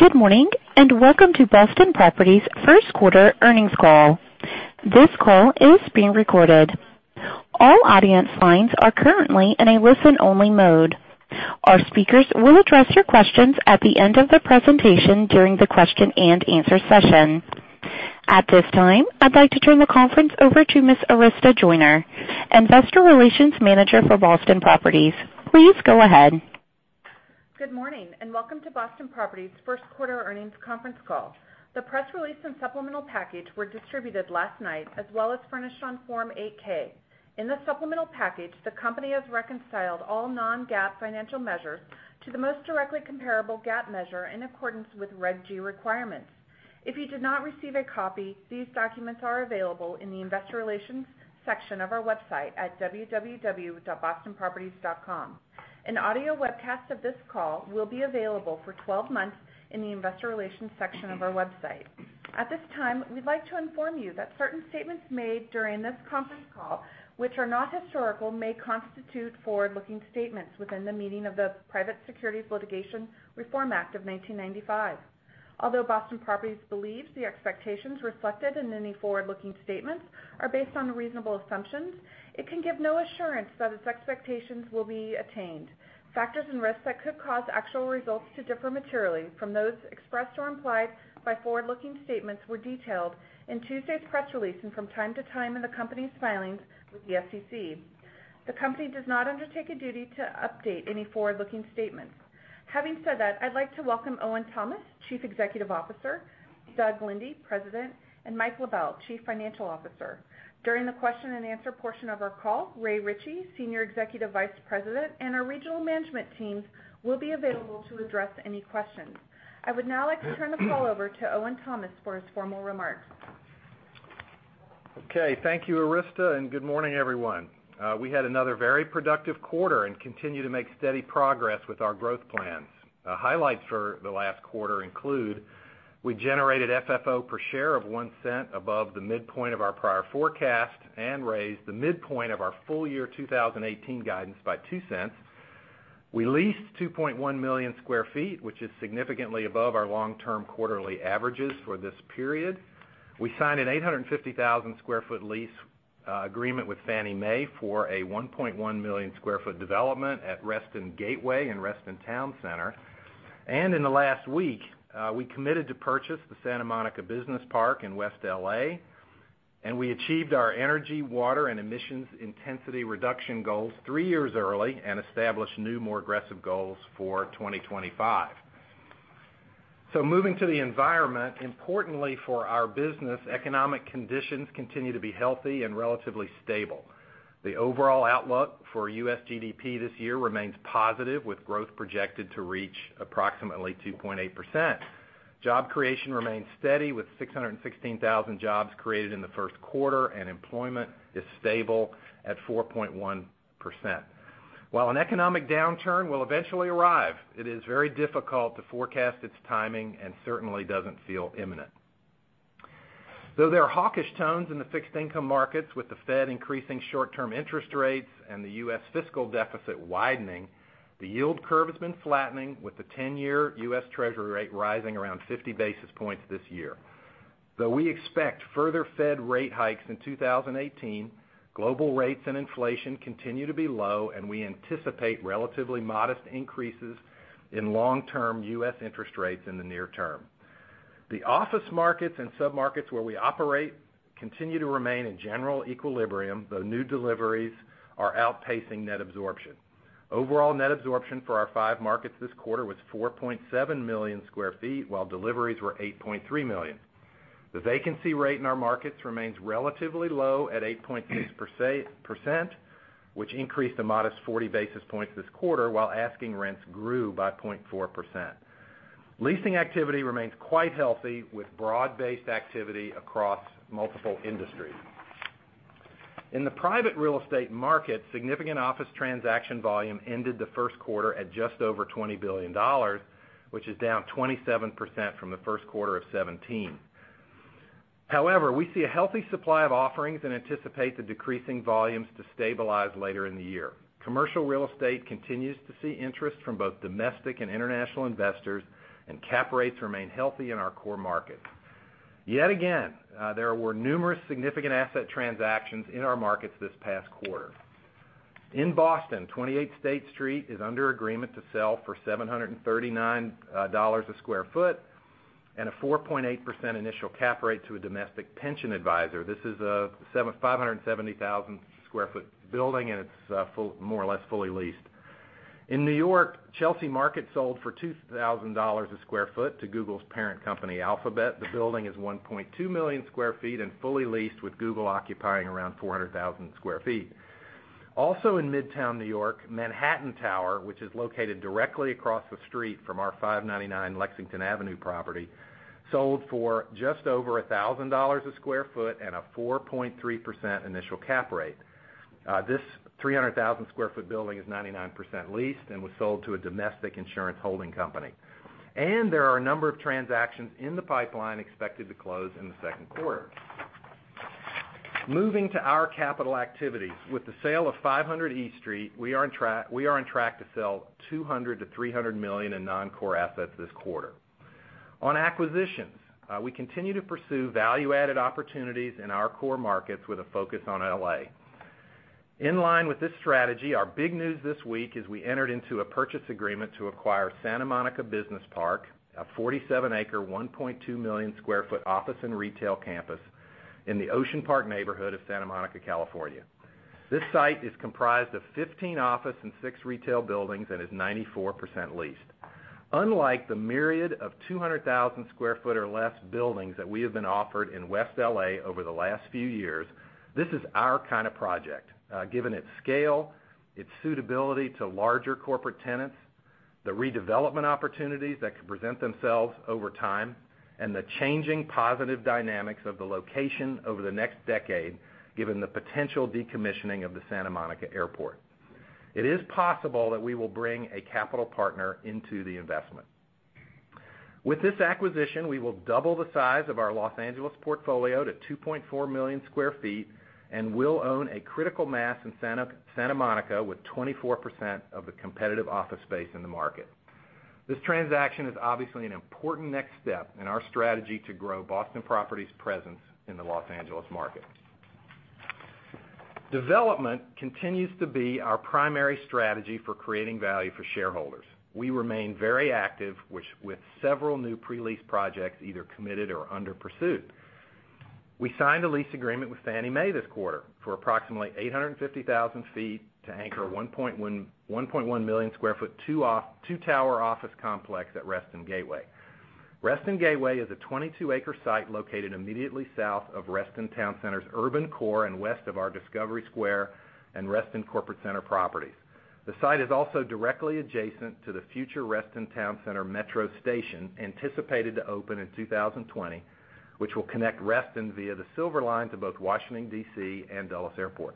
Good morning, and welcome to Boston Properties' first quarter earnings call. This call is being recorded. All audience lines are currently in a listen-only mode. Our speakers will address your questions at the end of the presentation during the question and answer session. At this time, I'd like to turn the conference over to Ms. Arista Joyner, investor relations manager for Boston Properties. Please go ahead. Good morning, and welcome to Boston Properties' first quarter earnings conference call. The press release and supplemental package were distributed last night, as well as furnished on Form 8-K. In the supplemental package, the company has reconciled all non-GAAP financial measures to the most directly comparable GAAP measure in accordance with Reg G requirements. If you did not receive a copy, these documents are available in the investor relations section of our website at www.bostonproperties.com. An audio webcast of this call will be available for 12 months in the investor relations section of our website. At this time, we'd like to inform you that certain statements made during this conference call, which are not historical, may constitute forward-looking statements within the meaning of the Private Securities Litigation Reform Act of 1995. Although Boston Properties believes the expectations reflected in any forward-looking statements are based on reasonable assumptions, it can give no assurance that its expectations will be attained. Factors and risks that could cause actual results to differ materially from those expressed or implied by forward-looking statements were detailed in Tuesday's press release and from time to time in the company's filings with the SEC. The company does not undertake a duty to update any forward-looking statements. Having said that, I'd like to welcome Owen Thomas, Chief Executive Officer, Doug Linde, President, and Mike LaBelle, Chief Financial Officer. During the question and answer portion of our call, Ray Ritchie, Senior Executive Vice President, and our regional management teams will be available to address any questions. I would now like to turn the call over to Owen Thomas for his formal remarks. Okay. Thank you, Arista, and good morning, everyone. We had another very productive quarter and continue to make steady progress with our growth plans. Highlights for the last quarter include, we generated FFO per share of $0.01 above the midpoint of our prior forecast and raised the midpoint of our full year 2018 guidance by $0.02. We leased 2.1 million sq ft, which is significantly above our long-term quarterly averages for this period. We signed an 850,000 sq ft lease agreement with Fannie Mae for a 1.1 million sq ft development at Reston Gateway in Reston Town Center. In the last week, we committed to purchase the Santa Monica Business Park in West L.A., and we achieved our energy, water, and emissions intensity reduction goals three years early and established new, more aggressive goals for 2025. Moving to the environment, importantly for our business, economic conditions continue to be healthy and relatively stable. The overall outlook for U.S. GDP this year remains positive, with growth projected to reach approximately 2.8%. Job creation remains steady with 616,000 jobs created in the first quarter and employment is stable at 4.1%. While an economic downturn will eventually arrive, it is very difficult to forecast its timing and certainly doesn't feel imminent. Though there are hawkish tones in the fixed income markets with the Fed increasing short-term interest rates and the U.S. fiscal deficit widening, the yield curve has been flattening with the 10-year U.S. Treasury rate rising around 50 basis points this year. Though we expect further Fed rate hikes in 2018, The vacancy rate in our markets remains relatively low at 8.6%, which increased a modest 40 basis points this quarter, while asking rents grew by 0.4%. Leasing activity remains quite healthy with broad-based activity across multiple industries. In the private real estate market, significant office transaction volume ended the first quarter at just over $20 billion, which is down 27% from the first quarter of 2017. We see a healthy supply of offerings and anticipate the decreasing volumes to stabilize later in the year. Commercial real estate continues to see interest from both domestic and international investors, and cap rates remain healthy in our core markets. There are a number of transactions in the pipeline expected to close in the second quarter. Moving to our capital activities. With the sale of 500 E Street, we are on track to sell $200 million-$300 million in non-core assets this quarter. On acquisitions, we continue to pursue value-added opportunities in our core markets with a focus on L.A. In line with this strategy, our big news this week is we entered into a purchase agreement to acquire Santa Monica Business Park, a 47-acre, 1.2-million-square-foot office and retail campus in the Ocean Park neighborhood of Santa Monica, California. This site is comprised of 15 office and six retail buildings and is 94% leased. Unlike the myriad of 200,000 sq ft or less buildings that we have been offered in West L.A. over the last few years, this is our kind of project, given its scale, its suitability to larger corporate tenants, the redevelopment opportunities that could present themselves over time, and the changing positive dynamics of the location over the next decade, given the potential decommissioning of the Santa Monica Airport. It is possible that we will bring a capital partner into the investment. With this acquisition, we will double the size of our Los Angeles portfolio to $2.4 million sq ft and will own a critical mass in Santa Monica with 24% of the competitive office space in the market. This transaction is obviously an important next step in our strategy to grow Boston Properties' presence in the Los Angeles market. Development continues to be our primary strategy for creating value for shareholders. We remain very active, with several new pre-lease projects either committed or under pursuit. We signed a lease agreement with Fannie Mae this quarter for approximately 850,000 sq ft to anchor a 1.1-million-sq-ft, two-tower office complex at Reston Gateway. Reston Gateway is a 22-acre site located immediately south of Reston Town Center's urban core and west of our Discovery Square and Reston Corporate Center properties. The site is also directly adjacent to the future Reston Town Center Metro Station, anticipated to open in 2020, which will connect Reston via the Silver Line to both Washington, D.C. and Dulles Airport.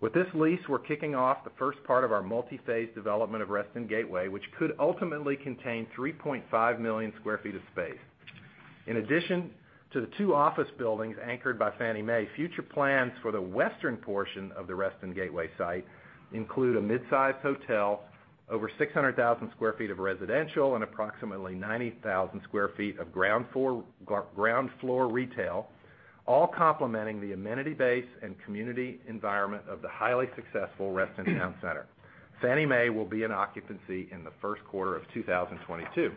With this lease, we're kicking off the first part of our multi-phase development of Reston Gateway, which could ultimately contain 3.5 million sq ft of space. In addition to the two office buildings anchored by Fannie Mae, future plans for the western portion of the Reston Gateway site include a mid-size hotel, over 600,000 sq ft of residential and approximately 90,000 sq ft of ground floor retail, all complementing the amenity base and community environment of the highly successful Reston Town Center. Fannie Mae will be in occupancy in the first quarter of 2022.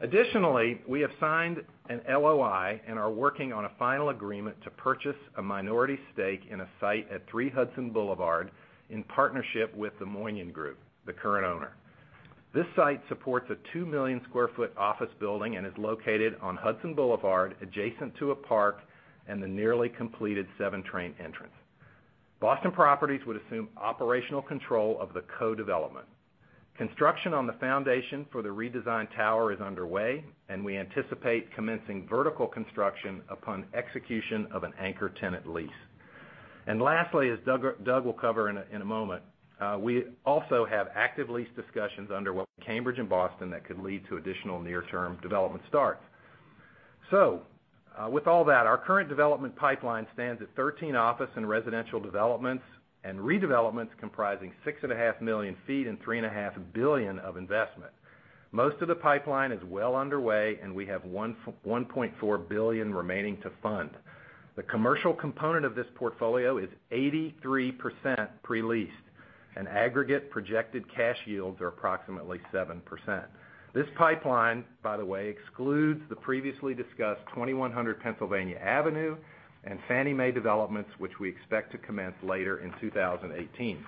Additionally, we have signed an LOI and are working on a final agreement to purchase a minority stake in a site at 3 Hudson Boulevard in partnership with The Moinian Group, the current owner. This site supports a 2-million-sq-ft office building and is located on Hudson Boulevard, adjacent to a park and the nearly completed 7 train entrance. Boston Properties would assume operational control of the co-development. Construction on the foundation for the redesigned tower is underway, and we anticipate commencing vertical construction upon execution of an anchor tenant lease. Lastly, as Doug will cover in a moment, we also have active lease discussions underway in Cambridge and Boston that could lead to additional near-term development starts. With all that, our current development pipeline stands at 13 office and residential developments and redevelopments comprising 6.5 million sq ft and $3.5 billion of investment. Most of the pipeline is well underway, and we have $1.4 billion remaining to fund. The commercial component of this portfolio is 83% pre-leased, and aggregate projected cash yields are approximately 7%. This pipeline, by the way, excludes the previously discussed 2100 Pennsylvania Avenue and Fannie Mae developments, which we expect to commence later in 2018.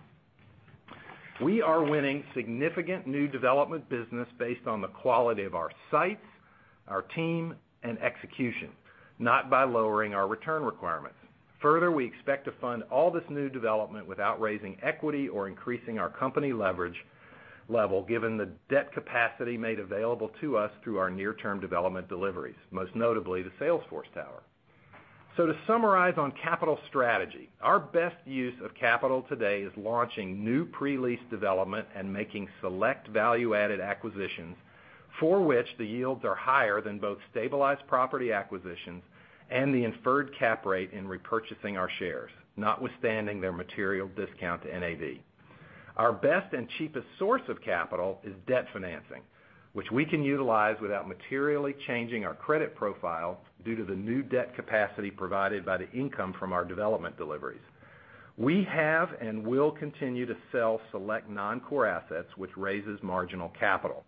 We are winning significant new development business based on the quality of our sites, our team, and execution, not by lowering our return requirements. We expect to fund all this new development without raising equity or increasing our company leverage level, given the debt capacity made available to us through our near-term development deliveries, most notably the Salesforce Tower. To summarize on capital strategy, our best use of capital today is launching new pre-lease development and making select value-added acquisitions for which the yields are higher than both stabilized property acquisitions and the inferred cap rate in repurchasing our shares, notwithstanding their material discount to NAV. Our best and cheapest source of capital is debt financing, which we can utilize without materially changing our credit profile due to the new debt capacity provided by the income from our development deliveries. We have and will continue to sell select non-core assets, which raises marginal capital.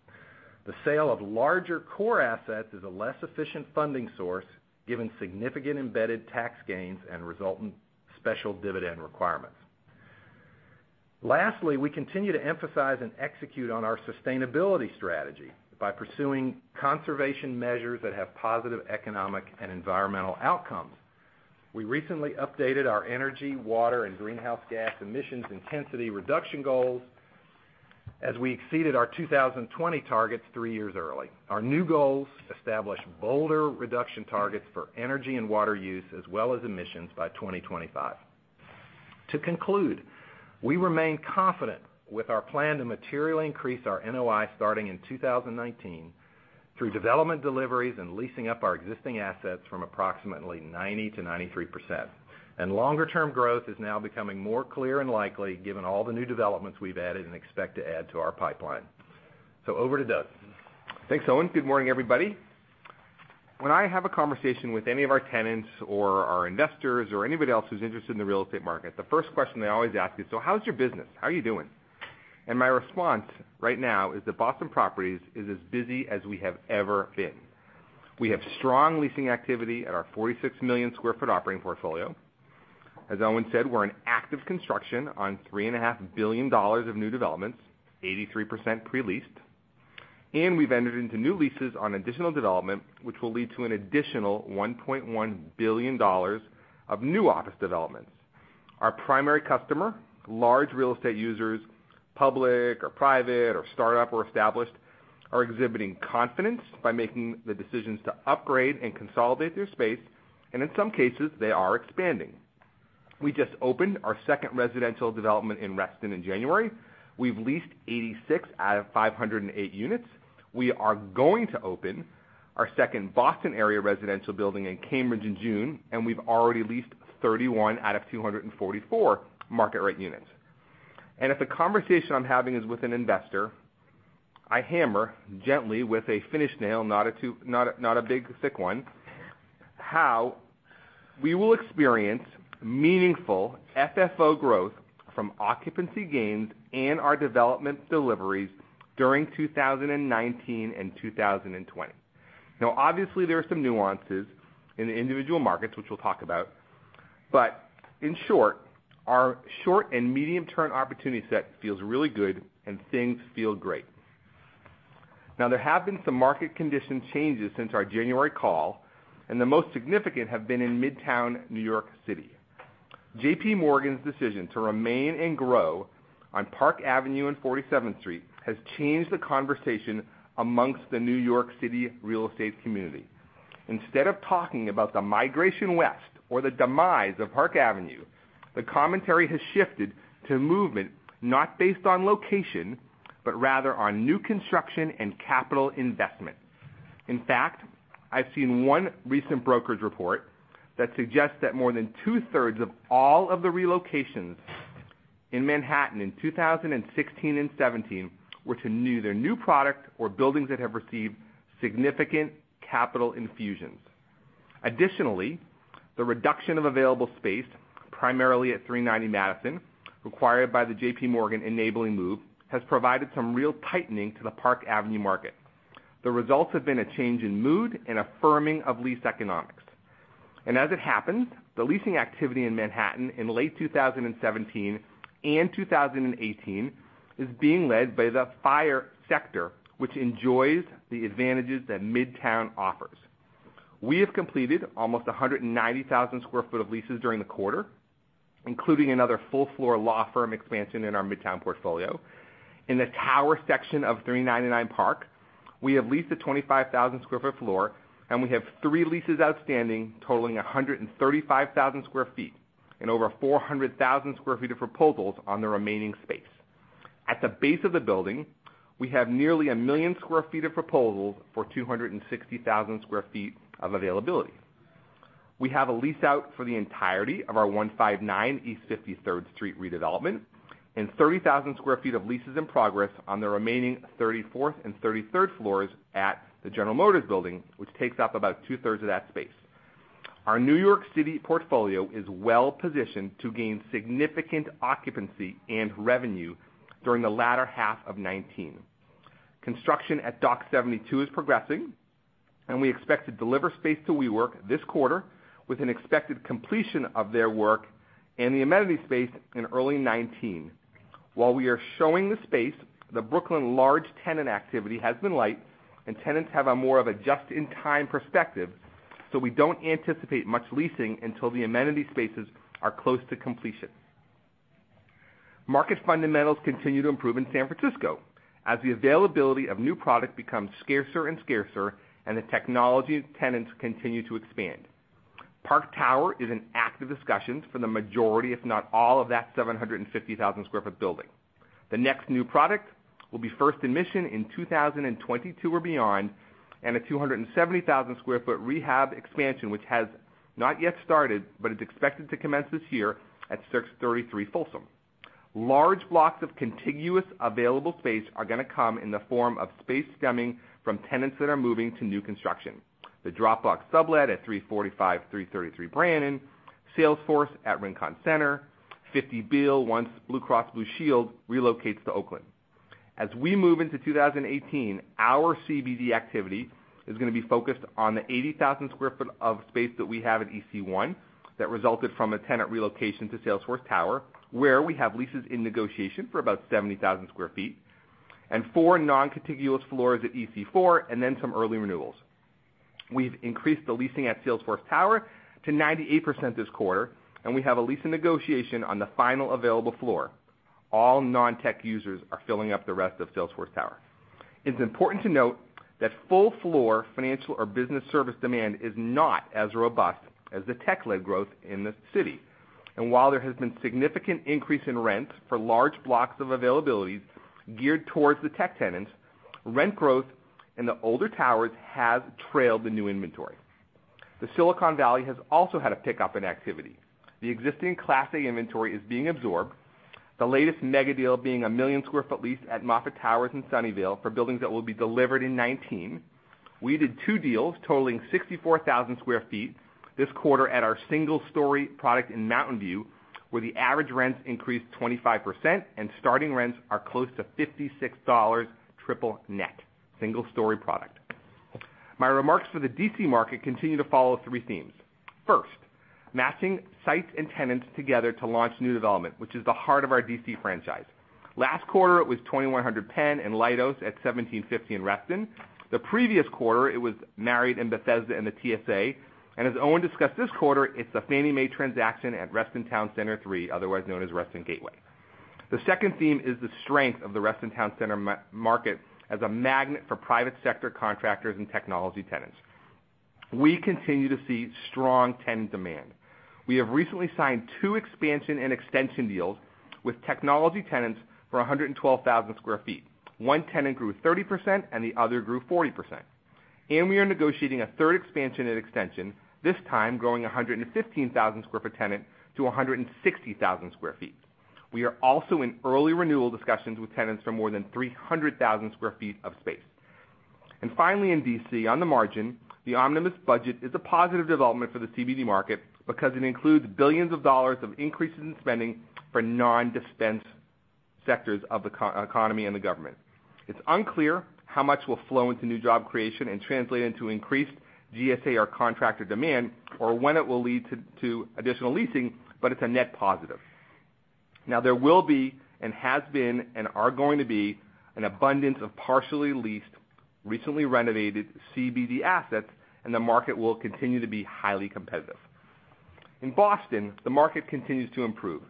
The sale of larger core assets is a less efficient funding source, given significant embedded tax gains and resultant special dividend requirements. We continue to emphasize and execute on our sustainability strategy by pursuing conservation measures that have positive economic and environmental outcomes. We recently updated our energy, water, and greenhouse gas emissions intensity reduction goals as we exceeded our 2020 targets three years early. Our new goals establish bolder reduction targets for energy and water use, as well as emissions by 2025. To conclude, we remain confident with our plan to materially increase our NOI starting in 2019 through development deliveries and leasing up our existing assets from approximately 90%-93%. Longer-term growth is now becoming more clear and likely, given all the new developments we've added and expect to add to our pipeline. Over to Doug. Thanks, Owen. Good morning, everybody. When I have a conversation with any of our tenants or our investors, or anybody else who's interested in the real estate market, the first question they always ask me, "So how's your business? How are you doing?" My response right now is that Boston Properties is as busy as we have ever been. We have strong leasing activity at our 46 million square foot operating portfolio. As Owen said, we're in active construction on $3.5 billion of new developments, 83% pre-leased. We've entered into new leases on additional development, which will lead to an additional $1.1 billion of new office developments. Our primary customer, large real estate users, public or private or startup or established, are exhibiting confidence by making the decisions to upgrade and consolidate their space, and in some cases, they are expanding. We just opened our second residential development in Reston in January. We've leased 86 out of 508 units. We are going to open our second Boston area residential building in Cambridge in June, and we've already leased 31 out of 244 market-rate units. If the conversation I'm having is with an investor, I hammer gently with a finish nail, not a big thick one, how we will experience meaningful FFO growth from occupancy gains and our development deliveries during 2019 and 2020. Obviously, there are some nuances in the individual markets, which we'll talk about, but in short, our short and medium-term opportunity set feels really good, and things feel great. There have been some market condition changes since our January call, and the most significant have been in Midtown, New York City. JPMorgan's decision to remain and grow on Park Avenue and 47th Street has changed the conversation amongst the New York City real estate community. Instead of talking about the migration west or the demise of Park Avenue, the commentary has shifted to movement, not based on location, but rather on new construction and capital investment. In fact, I've seen one recent brokerage report that suggests that more than two-thirds of all of the relocations in Manhattan in 2016 and 2017 were to either new product or buildings that have received significant capital infusions. Additionally, the reduction of available space, primarily at 390 Madison, required by the JPMorgan enabling move, has provided some real tightening to the Park Avenue market. The results have been a change in mood and affirming of lease economics. As it happens, the leasing activity in Manhattan in late 2017 and 2018 is being led by the FIRE sector, which enjoys the advantages that Midtown offers. We have completed almost 190,000 square foot of leases during the quarter, including another full-floor law firm expansion in our Midtown portfolio. In the tower section of 399 Park, we have leased a 25,000 square foot floor, and we have three leases outstanding, totaling 135,000 square feet and over 400,000 square feet of proposals on the remaining space. At the base of the building, we have nearly a million square feet of proposals for 260,000 square feet of availability. We have a lease out for the entirety of our 159 East 53rd Street redevelopment and 30,000 square feet of leases in progress on the remaining 34th and 33rd floors at the General Motors Building, which takes up about two-thirds of that space. Our New York City portfolio is well positioned to gain significant occupancy and revenue during the latter half of 2019. Construction at Dock 72 is progressing, and we expect to deliver space to WeWork this quarter with an expected completion of their work and the amenity space in early 2019. While we are showing the space, the Brooklyn large tenant activity has been light, and tenants have a more of a just-in-time perspective, so we don't anticipate much leasing until the amenity spaces are close to completion. Market fundamentals continue to improve in San Francisco as the availability of new product becomes scarcer and scarcer and the technology tenants continue to expand. Park Tower is in active discussions for the majority, if not all, of that 750,000-square-foot building. The next new product will be First and Mission in 2022 or beyond, and a 270,000-square-foot rehab expansion, which has not yet started but is expected to commence this year at 633 Folsom. Large blocks of contiguous available space are going to come in the form of space stemming from tenants that are moving to new construction. The Dropbox sublet at 345, 333 Brannan, Salesforce at Rincon Center, 50 Beale, once Blue Cross Blue Shield relocates to Oakland. As we move into 2018, our CBD activity is going to be focused on the 80,000 square foot of space that we have at EC1 that resulted from a tenant relocation to Salesforce Tower, where we have leases in negotiation for about 70,000 square feet, and four non-contiguous floors at EC4, and then some early renewals. We've increased the leasing at Salesforce Tower to 98% this quarter, and we have a lease in negotiation on the final available floor. All non-tech users are filling up the rest of Salesforce Tower. It's important to note that full floor financial or business service demand is not as robust as the tech-led growth in the city. While there has been significant increase in rent for large blocks of availabilities geared towards the tech tenants, rent growth in the older towers has trailed the new inventory. The Silicon Valley has also had a pickup in activity. The existing Class A inventory is being absorbed, the latest mega deal being a 1 million square foot lease at Moffett Towers in Sunnyvale for buildings that will be delivered in 2019. We did two deals totaling 64,000 square feet this quarter at our single-story product in Mountain View, where the average rents increased 25%, and starting rents are close to $56 triple net, single story product. My remarks for the D.C. market continue to follow three themes. First, matching sites and tenants together to launch new development, which is the heart of our D.C. franchise. Last quarter, it was 2100 Penn and Leidos at 1750 in Reston. The previous quarter, it was Marriott in Bethesda and the TSA. As Owen discussed this quarter, it's the Fannie Mae transaction at Reston Town Center III, otherwise known as Reston Gateway. The second theme is the strength of the Reston Town Center market as a magnet for private sector contractors and technology tenants. We continue to see strong tenant demand. We have recently signed two expansion and extension deals with technology tenants for 112,000 square feet. One tenant grew 30% and the other grew 40%. We are negotiating a third expansion and extension, this time growing a 115,000 square foot tenant to 160,000 square feet. We are also in early renewal discussions with tenants for more than 300,000 square feet of space. Finally, in D.C., on the margin, the omnibus budget is a positive development for the CBD market because it includes billions of dollars of increases in spending for non-defense sectors of the economy and the government. It's unclear how much will flow into new job creation and translate into increased GSA or contractor demand or when it will lead to additional leasing, but it's a net positive. Now, there will be and has been and are going to be an abundance of partially leased, recently renovated CBD assets. The market will continue to be highly competitive. In Boston, the market continues to improve.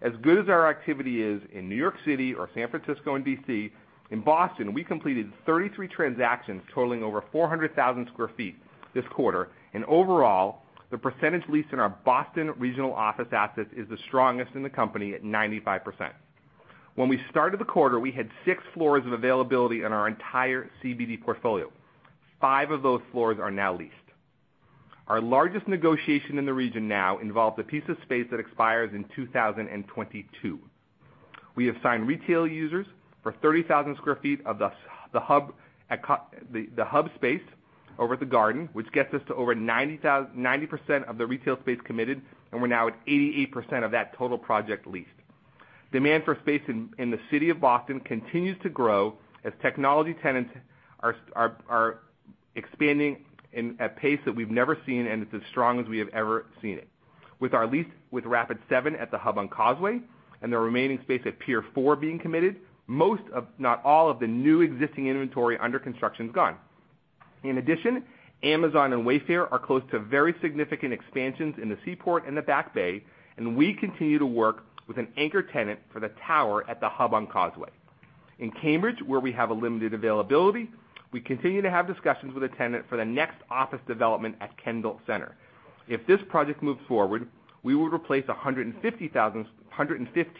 As good as our activity is in New York City or San Francisco and D.C., in Boston, we completed 33 transactions totaling over 400,000 sq ft this quarter. Overall, the percentage lease in our Boston regional office assets is the strongest in the company at 95%. When we started the quarter, we had six floors of availability in our entire CBD portfolio. Five of those floors are now leased. Our largest negotiation in the region now involves a piece of space that expires in 2022. We have signed retail users for 30,000 sq ft of The Hub space over at The Garden, which gets us to over 90% of the retail space committed. We're now at 88% of that total project leased. Demand for space in the city of Boston continues to grow as technology tenants are expanding at pace that we've never seen. It's as strong as we have ever seen it. With our lease with Rapid7 at The Hub on Causeway and the remaining space at Pier 4 being committed, most of, not all of the new existing inventory under construction is gone. In addition, Amazon and Wayfair are close to very significant expansions in the Seaport and the Back Bay. We continue to work with an anchor tenant for the tower at The Hub on Causeway. In Cambridge, where we have a limited availability, we continue to have discussions with a tenant for the next office development at Kendall Center. If this project moves forward, we will replace a 115,000 sq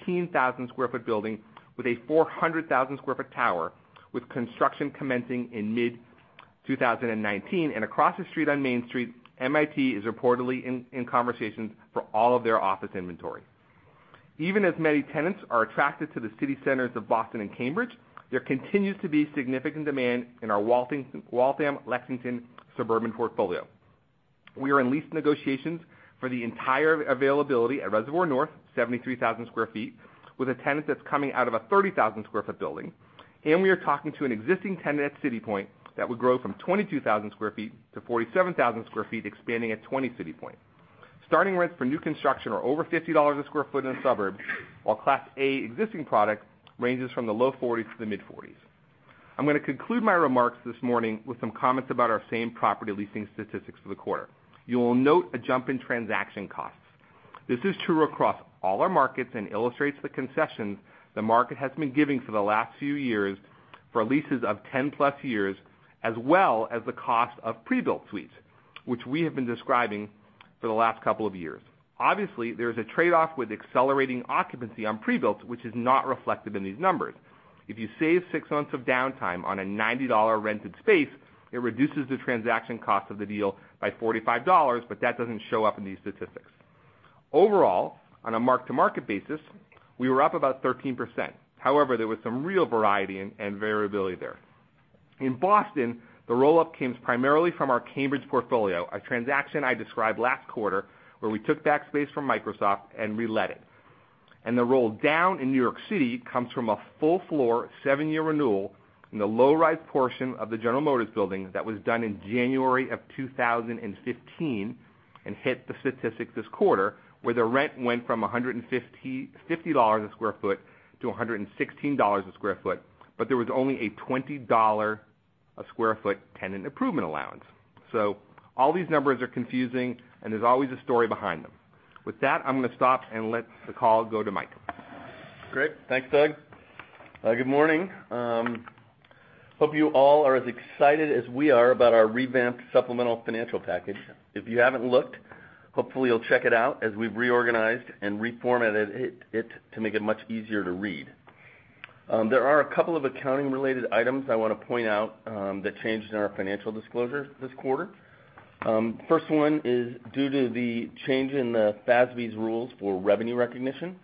ft building with a 400,000 sq ft tower with construction commencing in mid-2019. Across the street on Main Street, MIT is reportedly in conversations for all of their office inventory. Even as many tenants are attracted to the city centers of Boston and Cambridge, there continues to be significant demand in our Waltham, Lexington suburban portfolio. We are in lease negotiations for the entire availability at Reservoir North, 73,000 sq ft, with a tenant that's coming out of a 30,000 sq ft building. We are talking to an existing tenant at CityPoint that would grow from 22,000 sq ft to 47,000 sq ft, expanding at 20 CityPoint. Starting rents for new construction are over $50 a sq ft in the suburb, while Class A existing product ranges from the low 40s to the mid-40s. I'm going to conclude my remarks this morning with some comments about our same property leasing statistics for the quarter. You will note a jump in transaction costs. This is true across all our markets and illustrates the concessions the market has been giving for the last few years for leases of 10+ years, as well as the cost of pre-built suites, which we have been describing for the last couple of years. Obviously, there is a trade-off with accelerating occupancy on pre-built, which is not reflected in these numbers. If you save six months of downtime on a $90 rented space, it reduces the transaction cost of the deal by $45. That doesn't show up in these statistics. Overall, on a mark-to-market basis, we were up about 13%. However, there was some real variety and variability there. In Boston, the roll-up came primarily from our Cambridge portfolio, a transaction I described last quarter, where we took back space from Microsoft and relet it. The roll down in New York City comes from a full floor, 7-year renewal in the low-rise portion of the General Motors building that was done in January of 2015 and hit the statistic this quarter, where the rent went from $150 a square foot to $116 a square foot, but there was only a $20 a square foot tenant improvement allowance. All these numbers are confusing and there's always a story behind them. With that, I'm going to stop and let the call go to Mike. Great. Thanks, Doug. Good morning. Hope you all are as excited as we are about our revamped supplemental financial package. If you haven't looked, hopefully you'll check it out, as we've reorganized and reformatted it to make it much easier to read. There are a couple of accounting-related items I want to point out that changed in our financial disclosure this quarter. First one is due to the change in the FASB's rules for revenue recognition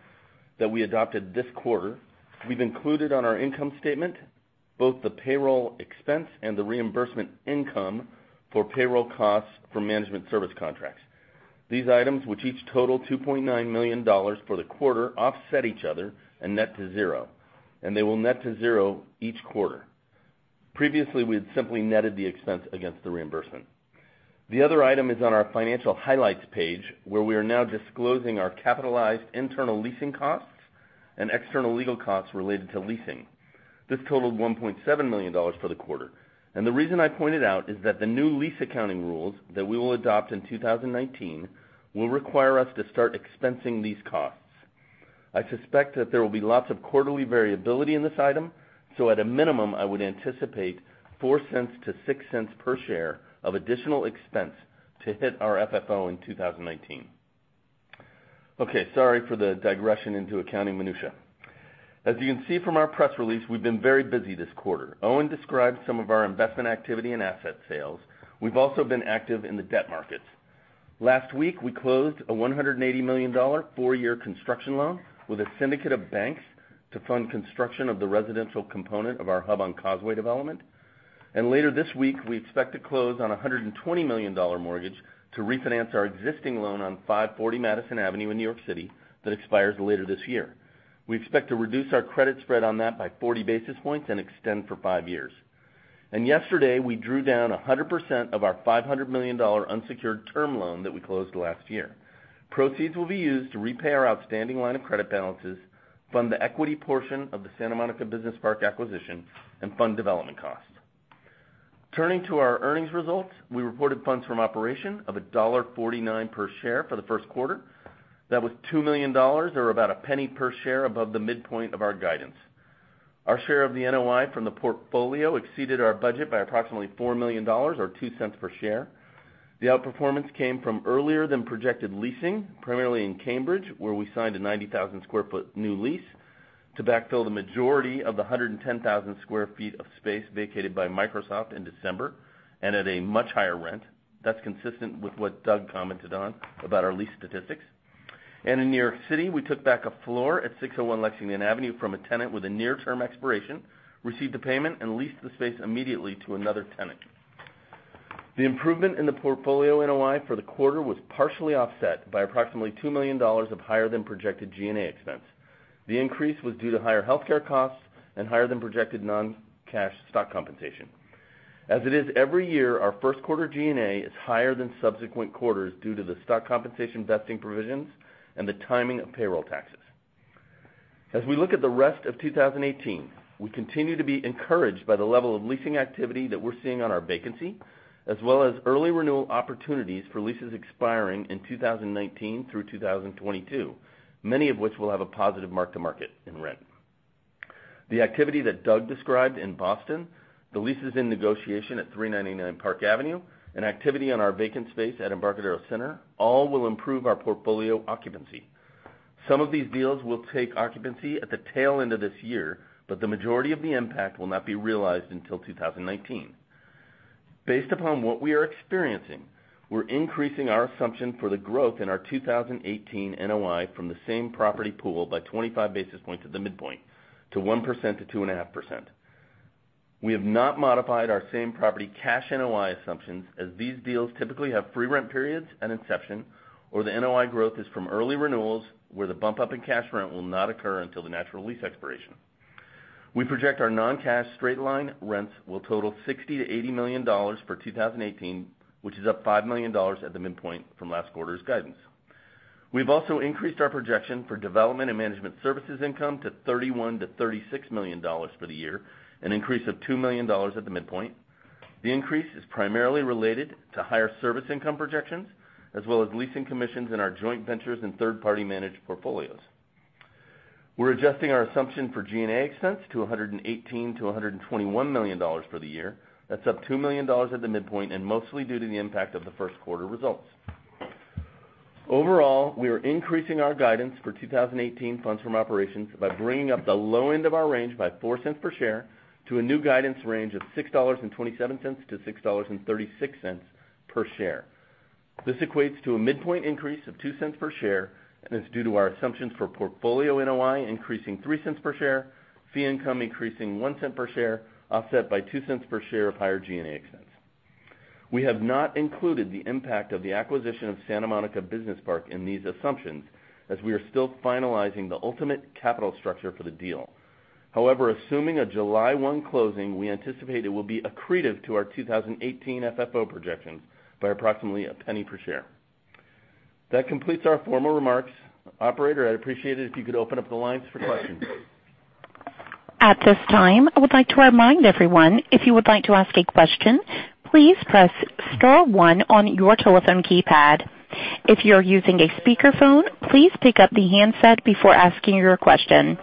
that we adopted this quarter. We've included on our income statement both the payroll expense and the reimbursement income for payroll costs for management service contracts. These items, which each total $2.9 million for the quarter, offset each other and net to zero, and they will net to zero each quarter. Previously, we had simply netted the expense against the reimbursement. The other item is on our financial highlights page, where we are now disclosing our capitalized internal leasing costs and external legal costs related to leasing. This totaled $1.7 million for the quarter. The reason I point it out is that the new lease accounting rules that we will adopt in 2019 will require us to start expensing these costs. I suspect that there will be lots of quarterly variability in this item, so at a minimum, I would anticipate $0.04-$0.06 per share of additional expense to hit our FFO in 2019. Sorry for the digression into accounting minutia. As you can see from our press release, we've been very busy this quarter. Owen described some of our investment activity and asset sales. We've also been active in the debt markets. Last week, we closed a $180 million 4-year construction loan with a syndicate of banks to fund construction of the residential component of our Hub on Causeway development. Later this week, we expect to close on a $120 million mortgage to refinance our existing loan on 540 Madison Avenue in New York City that expires later this year. We expect to reduce our credit spread on that by 40 basis points and extend for 5 years. Yesterday, we drew down 100% of our $500 million unsecured term loan that we closed last year. Proceeds will be used to repay our outstanding line of credit balances, fund the equity portion of the Santa Monica Business Park acquisition, and fund development costs. Turning to our earnings results, we reported funds from operation of $1.49 per share for the first quarter. That was $2 million or about $0.01 per share above the midpoint of our guidance. Our share of the NOI from the portfolio exceeded our budget by approximately $4 million or $0.02 per share. The outperformance came from earlier than projected leasing, primarily in Cambridge, where we signed a 90,000 sq ft new lease to backfill the majority of the 110,000 sq ft of space vacated by Microsoft in December and at a much higher rent. That's consistent with what Doug commented on about our lease statistics. In New York City, we took back a floor at 601 Lexington Avenue from a tenant with a near-term expiration, received the payment, and leased the space immediately to another tenant. The improvement in the portfolio NOI for the quarter was partially offset by approximately $2 million of higher than projected G&A expense. The increase was due to higher healthcare costs and higher than projected non-cash stock compensation. As it is every year, our first quarter G&A is higher than subsequent quarters due to the stock compensation vesting provisions and the timing of payroll taxes. As we look at the rest of 2018, we continue to be encouraged by the level of leasing activity that we're seeing on our vacancy, as well as early renewal opportunities for leases expiring in 2019 through 2022, many of which will have a positive mark-to-market in rent. The activity that Doug described in Boston, the leases in negotiation at 399 Park Avenue, and activity on our vacant space at Embarcadero Center all will improve our portfolio occupancy. Some of these deals will take occupancy at the tail end of this year, but the majority of the impact will not be realized until 2019. Based upon what we are experiencing, we're increasing our assumption for the growth in our 2018 NOI from the same property pool by 25 basis points at the midpoint to 1%-2.5%. We have not modified our same property cash NOI assumptions as these deals typically have free rent periods at inception, or the NOI growth is from early renewals, where the bump-up in cash rent will not occur until the natural lease expiration. We project our non-cash straight-line rents will total $60 million-$80 million for 2018, which is up $5 million at the midpoint from last quarter's guidance. We've also increased our projection for development and management services income to $31 million-$36 million for the year, an increase of $2 million at the midpoint. The increase is primarily related to higher service income projections, as well as leasing commissions in our joint ventures and third-party managed portfolios. We're adjusting our assumption for G&A expense to $118 million-$121 million for the year. That's up $2 million at the midpoint, and mostly due to the impact of the first quarter results. Overall, we are increasing our guidance for 2018 funds from operations by bringing up the low end of our range by $0.04 per share to a new guidance range of $6.27-$6.36 per share. This equates to a midpoint increase of $0.02 per share and is due to our assumptions for portfolio NOI increasing $0.03 per share, fee income increasing $0.01 per share, offset by $0.02 per share of higher G&A expense. We have not included the impact of the acquisition of Santa Monica Business Park in these assumptions, as we are still finalizing the ultimate capital structure for the deal. Assuming a July 1 closing, we anticipate it will be accretive to our 2018 FFO projections by approximately a penny per share. That completes our formal remarks. Operator, I'd appreciate it if you could open up the lines for questions. At this time, I would like to remind everyone, if you would like to ask a question, please press star one on your telephone keypad. If you're using a speakerphone, please pick up the handset before asking your question.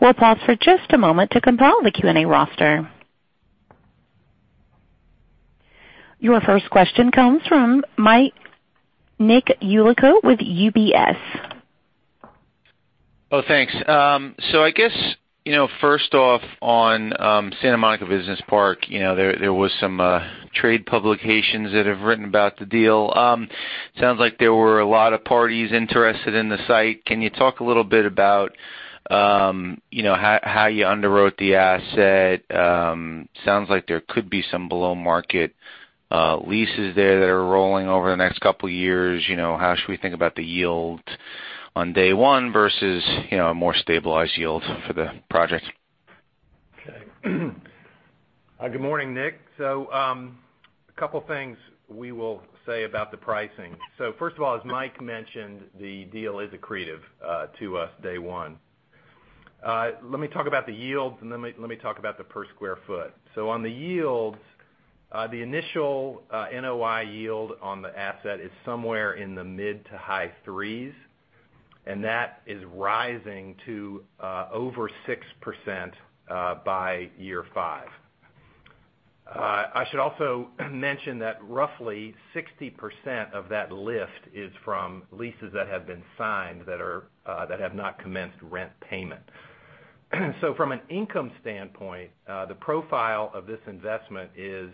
We'll pause for just a moment to compile the Q&A roster. Your first question comes from Nicholas Yulico with UBS. Thanks. I guess, first off on Santa Monica Business Park, there was some trade publications that have written about the deal. Sounds like there were a lot of parties interested in the site. Can you talk a little bit about how you underwrote the asset? Sounds like there could be some below-market leases there that are rolling over the next couple of years. How should we think about the yield on day one versus a more stabilized yield for the project? Okay. Good morning, Nick. A couple of things we will say about the pricing. First of all, as Mike mentioned, the deal is accretive to us day one. Let me talk about the yields, and let me talk about the per square foot. On the yields, the initial NOI yield on the asset is somewhere in the mid to high threes, and that is rising to over 6% by year five. I should also mention that roughly 60% of that lift is from leases that have been signed that have not commenced rent payment. From an income standpoint, the profile of this investment is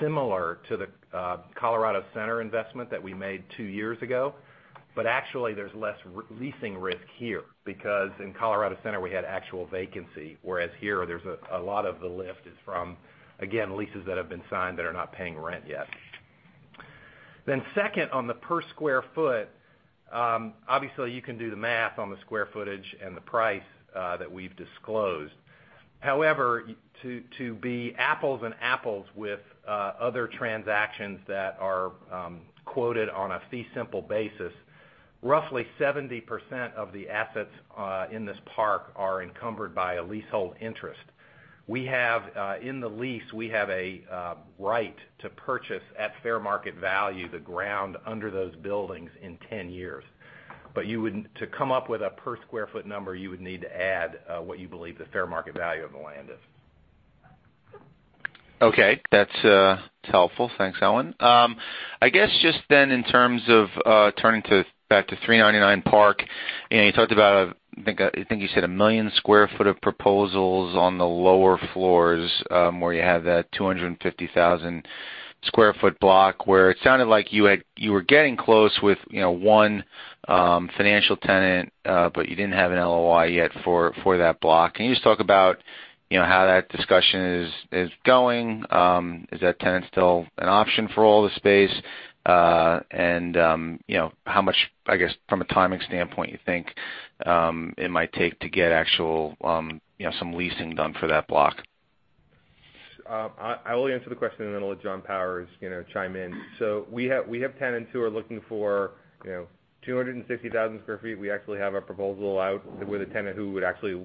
similar to the Colorado Center investment that we made two years ago. Actually, there's less leasing risk here, because in Colorado Center, we had actual vacancy, whereas here, there's a lot of the lift is from, again, leases that have been signed that are not paying rent yet. Second, on the per square foot, obviously you can do the math on the square footage and the price that we've disclosed. However, to be apples and apples with other transactions that are quoted on a fee simple basis, roughly 70% of the assets in this park are encumbered by a leasehold interest. In the lease, we have a right to purchase, at fair market value, the ground under those buildings in 10 years. To come up with a per square foot number, you would need to add what you believe the fair market value of the land is. Okay. That's helpful. Thanks, Owen. I guess, just in terms of turning back to 399 Park, you talked about, I think you said a 1 million square foot of proposals on the lower floors, where you have that 250,000 square foot block, where it sounded like you were getting close with one financial tenant, but you didn't have an LOI yet for that block. Can you just talk about how that discussion is going? Is that tenant still an option for all the space? How much, I guess, from a timing standpoint, you think it might take to get some leasing done for that block? I will answer the question and then I'll let John Powers chime in. We have tenants who are looking for 250,000 square feet. We actually have a proposal out with a tenant who would actually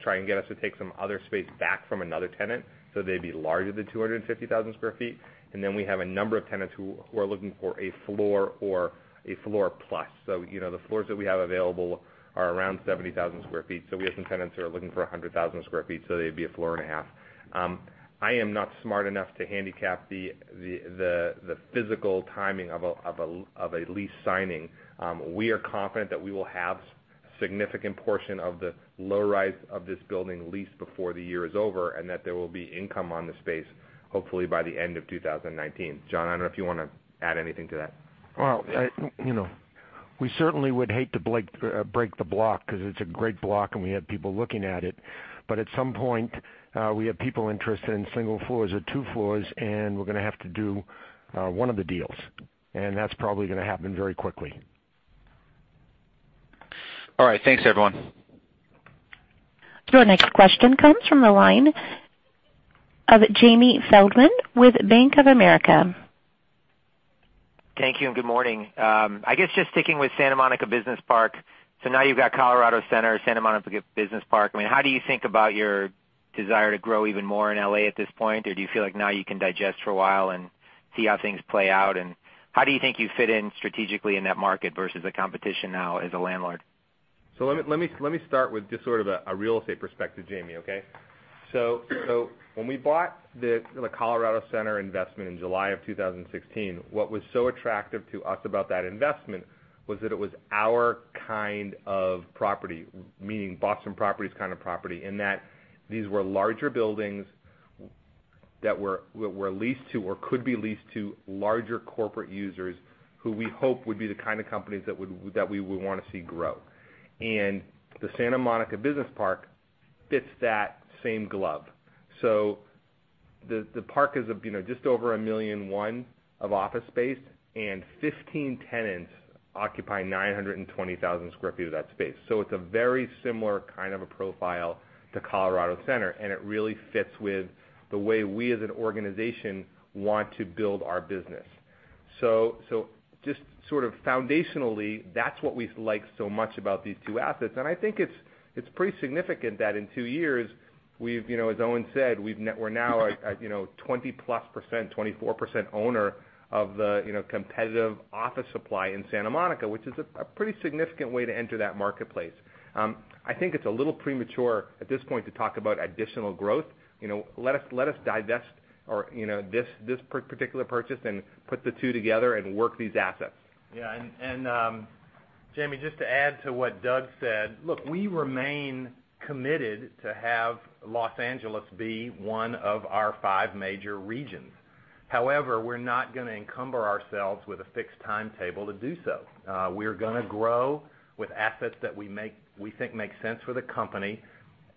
try and get us to take some other space back from another tenant, so they'd be larger than 250,000 square feet. We have a number of tenants who are looking for a floor or a floor plus. The floors that we have available are around 70,000 square feet. We have some tenants who are looking for 100,000 square feet, so they'd be a floor and a half. I am not smart enough to handicap the physical timing of a lease signing. We are confident that we will have significant portion of the low rise of this building leased before the year is over, and that there will be income on the space, hopefully by the end of 2019. John, I don't know if you want to add anything to that. Well, we certainly would hate to break the block because it's a great block and we have people looking at it. At some point, we have people interested in single floors or two floors, and we're going to have to do one of the deals. That's probably going to happen very quickly. All right. Thanks, everyone. Your next question comes from the line of Jamie Feldman with Bank of America. Thank you and good morning. I guess just sticking with Santa Monica Business Park. Now you've got Colorado Center, Santa Monica Business Park. How do you think about your desire to grow even more in L.A. at this point? Do you feel like now you can digest for a while and see how things play out? How do you think you fit in strategically in that market versus the competition now as a landlord? Let me start with just sort of a real estate perspective, Jamie, okay? When we bought the Colorado Center investment in July of 2016, what was so attractive to us about that investment was that it was our kind of property, meaning Boston Properties kind of property, in that these were larger buildings that were leased to or could be leased to larger corporate users who we hope would be the kind of companies that we would want to see grow. The Santa Monica Business Park fits that same glove. The park is just over 1,000,001 of office space and 15 tenants occupying 920,000 sq ft of that space. It's a very similar kind of a profile to Colorado Center, and it really fits with the way we as an organization want to build our business. Just sort of foundationally, that's what we like so much about these two assets. I think it's pretty significant that in two years, as Owen said, we're now a 20-plus %, 24% owner of the competitive office supply in Santa Monica, which is a pretty significant way to enter that marketplace. I think it's a little premature at this point to talk about additional growth. Let us divest this particular purchase and put the two together and work these assets. Yeah. Jamie, just to add to what Doug said, look, we remain committed to have Los Angeles be one of our five major regions. However, we're not going to encumber ourselves with a fixed timetable to do so. We're going to grow with assets that we think make sense for the company,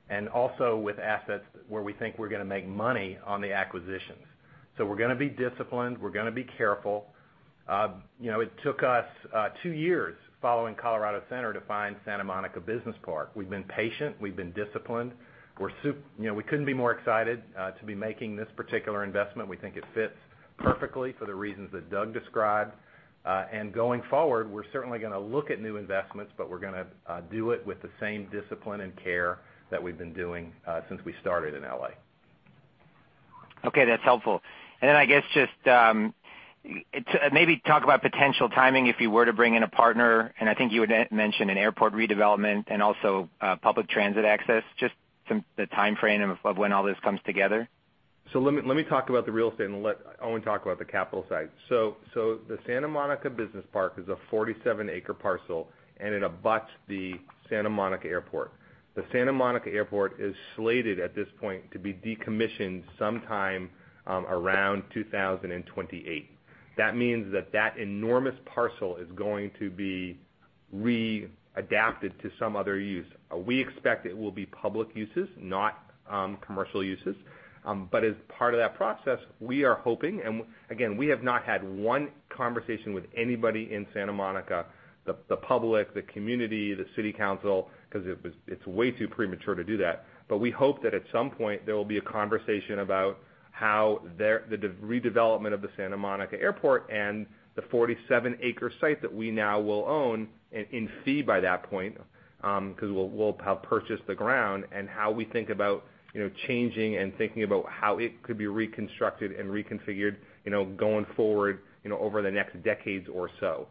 and also with assets where we think we're going to make money on the acquisitions. We're going to be disciplined. We're going to be careful. It took us two years following Colorado Center to find Santa Monica Business Park. We've been patient. We've been disciplined. We couldn't be more excited to be making this particular investment. We think it fits perfectly for the reasons that Doug described. Going forward, we're certainly going to look at new investments, but we're going to do it with the same discipline and care that we've been doing, since we started in L.A. Okay, that's helpful. I guess just maybe talk about potential timing if you were to bring in a partner, and I think you had mentioned an airport redevelopment and also public transit access, just the timeframe of when all this comes together. Let me talk about the real estate and let Owen talk about the capital side. The Santa Monica Business Park is a 47-acre parcel, and it abuts the Santa Monica Airport. The Santa Monica Airport is slated at this point to be decommissioned sometime around 2028. That means that that enormous parcel is going to be readapted to some other use. We expect it will be public uses, not commercial uses. As part of that process, we are hoping, and again, we have not had one conversation with anybody in Santa Monica, the public, the community, the city council, because it's way too premature to do that. We hope that at some point, there will be a conversation about how the redevelopment of the Santa Monica Airport and the 47-acre site that we now will own and in fee by that point, because we'll have purchased the ground, and how we think about changing and thinking about how it could be reconstructed and reconfigured, going forward over the next decades or so.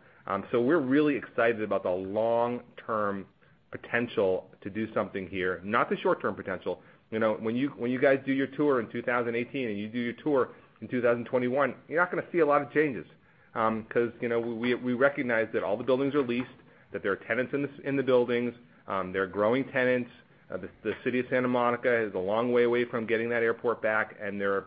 We're really excited about the long-term potential to do something here, not the short-term potential. When you guys do your tour in 2018 and you do your tour in 2021, you're not going to see a lot of changes. Because we recognize that all the buildings are leased, that there are tenants in the buildings, they're growing tenants. The City of Santa Monica is a long way away from getting that airport back, and there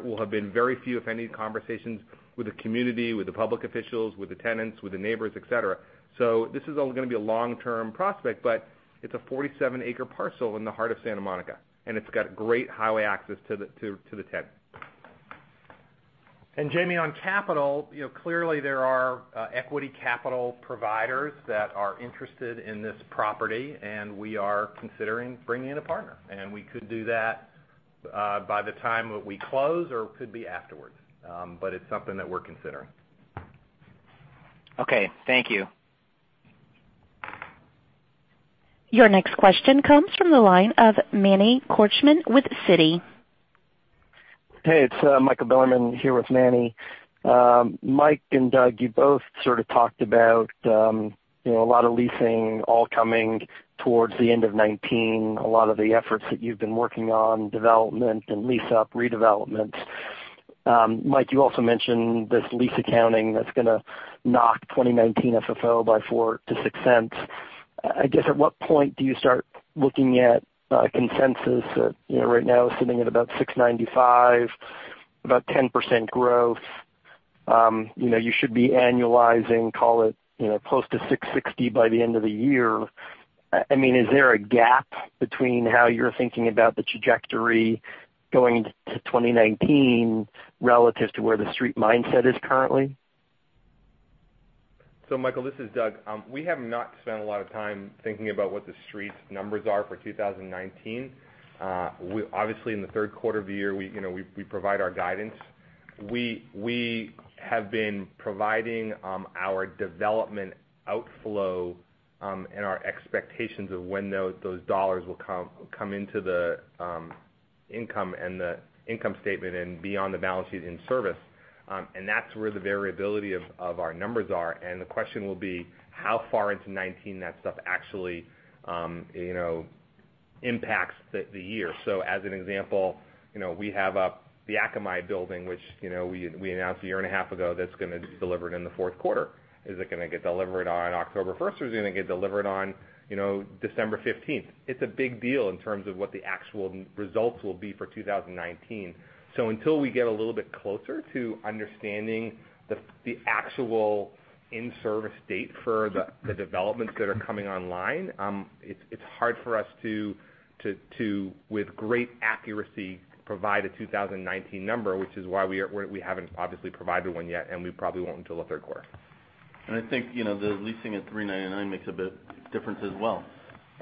will have been very few, if any, conversations with the community, with the public officials, with the tenants, with the neighbors, et cetera. This is all going to be a long-term prospect, but it's a 47-acre parcel in the heart of Santa Monica, and it's got great highway access to the tenant. Jamie, on capital, clearly there are equity capital providers that are interested in this property, and we are considering bringing in a partner, and we could do that by the time that we close or could be afterwards. It's something that we're considering. Okay. Thank you. Your next question comes from the line of Manny Korchman with Citi. Hey, it's Michael Bilerman here with Manny. Mike and Doug, you both sort of talked about a lot of leasing all coming towards the end of 2019. A lot of the efforts that you've been working on, development and lease-up redevelopments. Mike, you also mentioned this lease accounting that's going to knock 2019 FFO by $0.04-$0.06. I guess at what point do you start looking at consensus? Right now sitting at about $6.95, about 10% growth. You should be annualizing, call it, close to $6.60 by the end of the year. Is there a gap between how you're thinking about the trajectory going into 2019 relative to where the street mindset is currently? Michael, this is Doug. We have not spent a lot of time thinking about what The Street's numbers are for 2019. Obviously, in the third quarter of the year, we provide our guidance. We have been providing our development outflow, and our expectations of when those dollars will come into the income and the income statement and be on the balance sheet in service. That's where the variability of our numbers are. The question will be how far into 2019 that stuff actually impacts the year. As an example, we have up the Akamai building, which we announced a year and a half ago that's going to be delivered in the fourth quarter. Is it going to get delivered on October 1st, or is it going to get delivered on December 15th? It's a big deal in terms of what the actual results will be for 2019. Until we get a little bit closer to understanding the actual in-service date for the developments that are coming online, it's hard for us to, with great accuracy, provide a 2019 number, which is why we haven't obviously provided one yet, and we probably won't until the third quarter. I think, the leasing at 399 makes a big difference as well.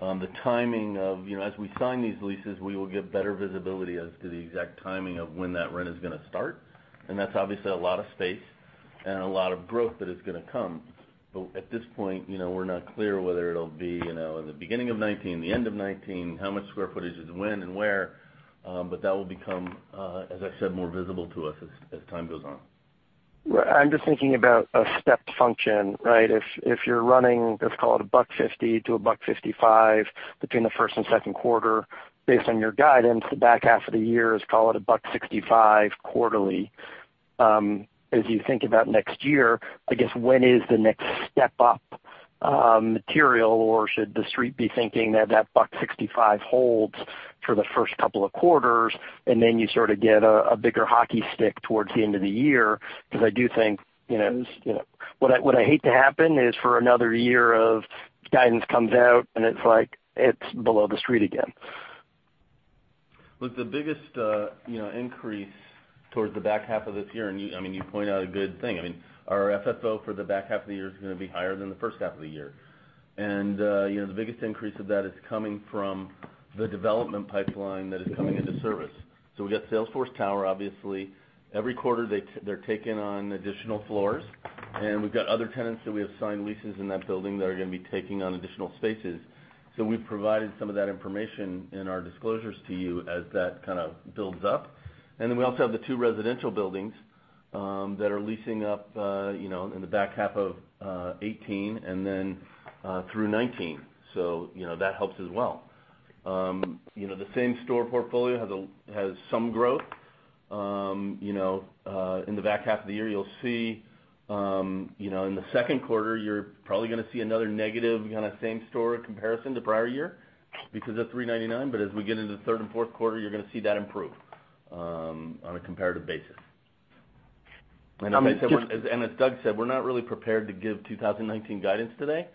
As we sign these leases, we will get better visibility as to the exact timing of when that rent is going to start. That's obviously a lot of space and a lot of growth that is going to come. At this point, we're not clear whether it'll be, in the beginning of 2019, the end of 2019, how much square footage is when and where. That will become, as I said, more visible to us as time goes on. Right. I'm just thinking about a stepped function, right? If you're running, let's call it $1.50 to $1.55 between the first and second quarter, based on your guidance, the back half of the year is, call it $1.65 quarterly. As you think about next year, I guess, when is the next step up material, or should The Street be thinking that $1.65 holds for the first couple of quarters, and then you sort of get a bigger hockey stick towards the end of the year? I do think, what I hate to happen is for another year of guidance comes out, and it's like it's below The Street again. Look, the biggest increase towards the back half of this year, and you point out a good thing. Our FFO for the back half of the year is going to be higher than the first half of the year. The biggest increase of that is coming from the development pipeline that is coming into service. We've got Salesforce Tower, obviously. Every quarter, they're taking on additional floors. We've got other tenants that we have signed leases in that building that are going to be taking on additional spaces. We've provided some of that information in our disclosures to you as that kind of builds up. We also have the two residential buildings that are leasing up in the back half of 2018 and then through 2019. That helps as well. The same-store portfolio has some growth. In the back half of the year, you'll see in the second quarter, you're probably going to see another negative kind of same-store comparison to prior year because of 399, but as we get into the third and fourth quarter, you're going to see that improve on a comparative basis. As Doug said, we're not really prepared to give 2019 guidance today.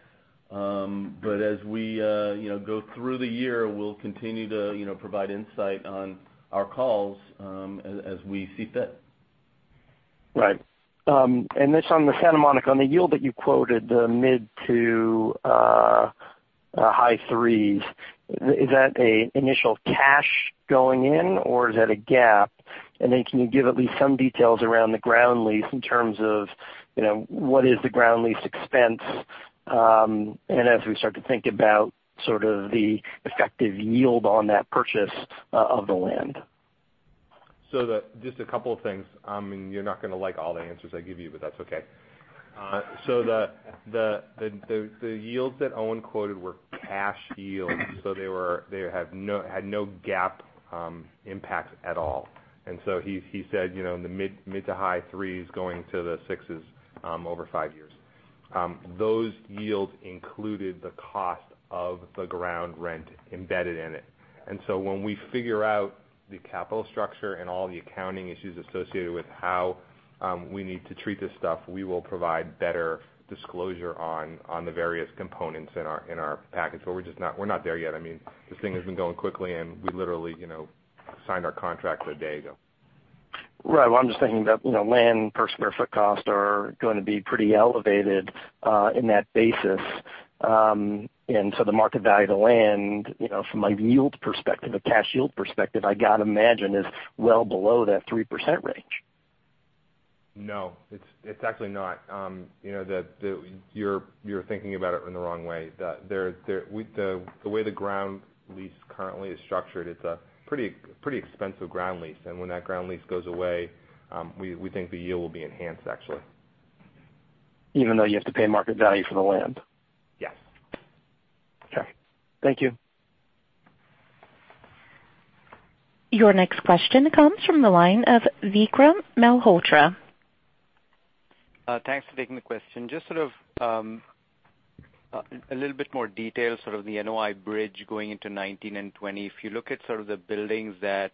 As we go through the year, we'll continue to provide insight on our calls as we see fit. Right. This on the Santa Monica, on the yield that you quoted, the mid to high threes, is that an initial cash going in, or is that a GAAP? Can you give at least some details around the ground lease in terms of what is the ground lease expense, and as we start to think about sort of the effective yield on that purchase of the land? Just a couple of things. You're not going to like all the answers I give you, but that's okay. The yields that Owen quoted were cash yields, so they had no GAAP impacts at all. He said in the mid to high threes going to the sixes over five years. Those yields included the cost of the ground rent embedded in it. When we figure out the capital structure and all the accounting issues associated with how we need to treat this stuff, we will provide better disclosure on the various components in our package. We're not there yet. This thing has been going quickly, and we literally signed our contract a day ago. Well, I'm just thinking about land per square foot costs are going to be pretty elevated, in that basis. The market value of the land, from a yield perspective, a cash yield perspective, I got to imagine is well below that 3% range. No. It's actually not. You're thinking about it in the wrong way. The way the ground lease currently is structured, it's a pretty expensive ground lease. When that ground lease goes away, we think the yield will be enhanced, actually. Even though you have to pay market value for the land? Yes. Okay. Thank you. Your next question comes from the line of Vikram Malhotra. A little bit more detail, sort of the NOI bridge going into 2019 and 2020. If you look at sort of the buildings that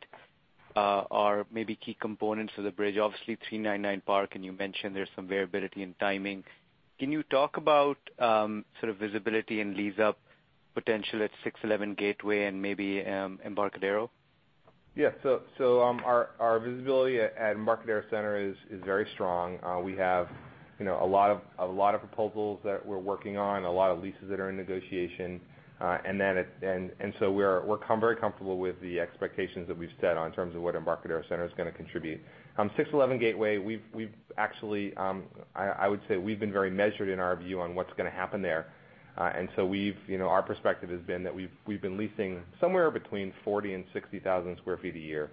are maybe key components of the bridge, obviously 399 Park, and you mentioned there's some variability in timing. Can you talk about sort of visibility and lease-up potential at 611 Gateway and maybe Embarcadero? Our visibility at Embarcadero Center is very strong. We have a lot of proposals that we're working on, a lot of leases that are in negotiation. We're very comfortable with the expectations that we've set in terms of what Embarcadero Center is going to contribute. 611 Gateway, I would say we've been very measured in our view on what's going to happen there. Our perspective has been that we've been leasing somewhere between 40,000 and 60,000 sq ft a year.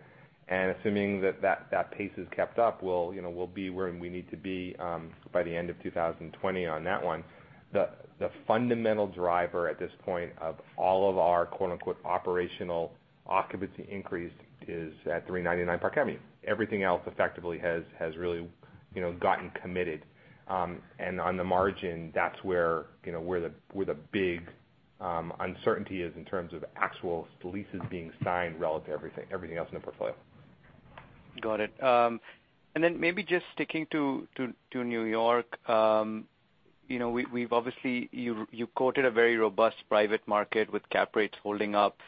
Assuming that that pace is kept up, we'll be where we need to be by the end of 2020 on that one. The fundamental driver at this point of all of our quote-unquote operational occupancy increase is at 399 Park Avenue. Everything else effectively has really gotten committed. On the margin, that's where the big uncertainty is in terms of actual leases being signed relative to everything else in the portfolio. Got it. Maybe just sticking to New York. You quoted a very robust private market with cap rates holding up.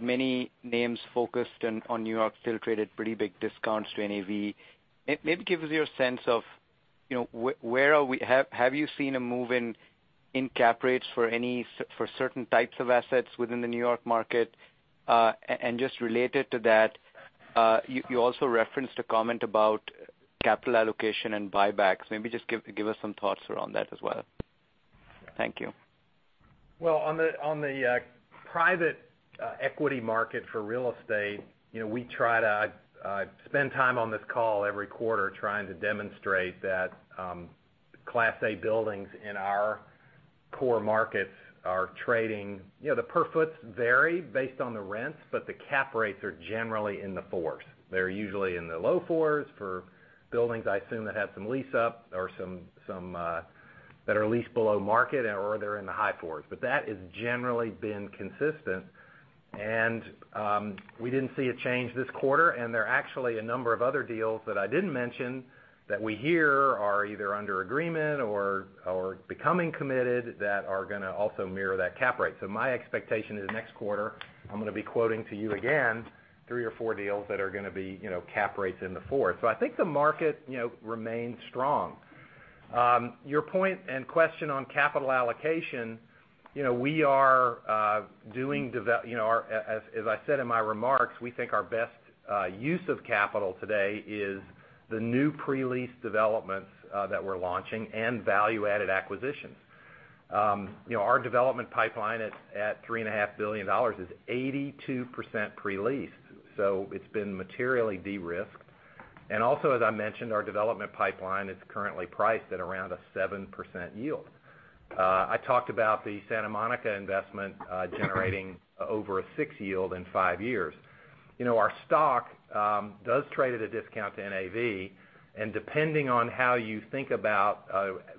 Many names focused on New York still traded pretty big discounts to NAV. Maybe give us your sense of, have you seen a move in cap rates for certain types of assets within the New York market? Just related to that, you also referenced a comment about capital allocation and buybacks. Maybe just give us some thoughts around that as well. Thank you. Well, on the private equity market for real estate, we try to spend time on this call every quarter trying to demonstrate that Class A buildings in our core markets are trading. The per foots vary based on the rents, but the cap rates are generally in the fours. They're usually in the low fours for buildings, I assume, that have some lease up or some that are leased below market, or they're in the high fours. That has generally been consistent, and we didn't see a change this quarter, and there are actually a number of other deals that I didn't mention that we hear are either under agreement or becoming committed that are going to also mirror that cap rate. My expectation is next quarter, I'm going to be quoting to you again, three or four deals that are going to be cap rates in the fours. I think the market remains strong. Your point and question on capital allocation, as I said in my remarks, we think our best use of capital today is the new pre-lease developments that we're launching and value-added acquisitions. Our development pipeline at $3.5 billion is 82% pre-leased, so it's been materially de-risked. As I mentioned, our development pipeline is currently priced at around a 7% yield. I talked about the Santa Monica investment generating over a six yield in five years. Our stock does trade at a discount to NAV. Depending on how you think about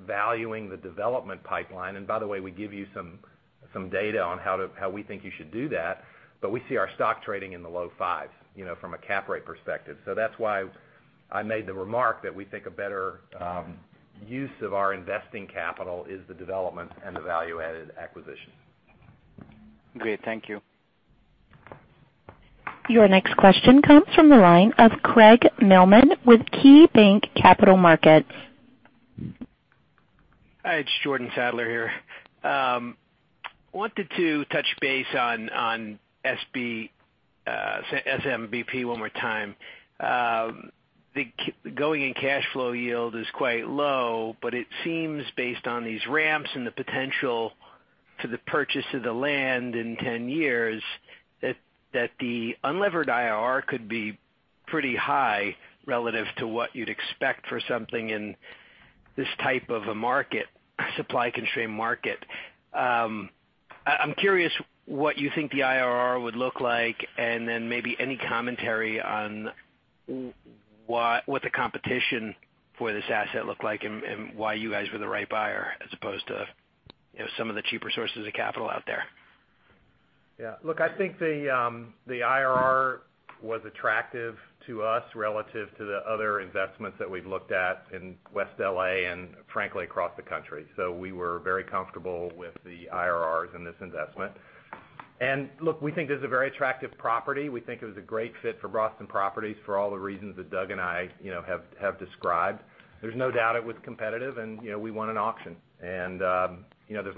valuing the development pipeline, by the way, we give you some data on how we think you should do that. We see our stock trading in the low fives, from a cap rate perspective. That's why I made the remark that we think a better use of our investing capital is the development and the value-added acquisition. Great. Thank you. Your next question comes from the line of Craig Mailman with KeyBanc Capital Markets. Hi, it's Jordan Sadler here. Wanted to touch base on SMBP one more time. The going and cash flow yield is quite low, but it seems based on these ramps and the potential to the purchase of the land in 10 years, that the unlevered IRR could be pretty high relative to what you'd expect for something in this type of a market, supply-constrained market. I'm curious what you think the IRR would look like, then maybe any commentary on what the competition for this asset looked like and why you guys were the right buyer as opposed to some of the cheaper sources of capital out there. Yeah. Look, I think the IRR was attractive to us relative to the other investments that we've looked at in West L.A. and frankly, across the country. We were very comfortable with the IRRs in this investment. Look, we think this is a very attractive property. We think it was a great fit for Boston Properties for all the reasons that Doug and I have described. There's no doubt it was competitive, and we won an auction. There's a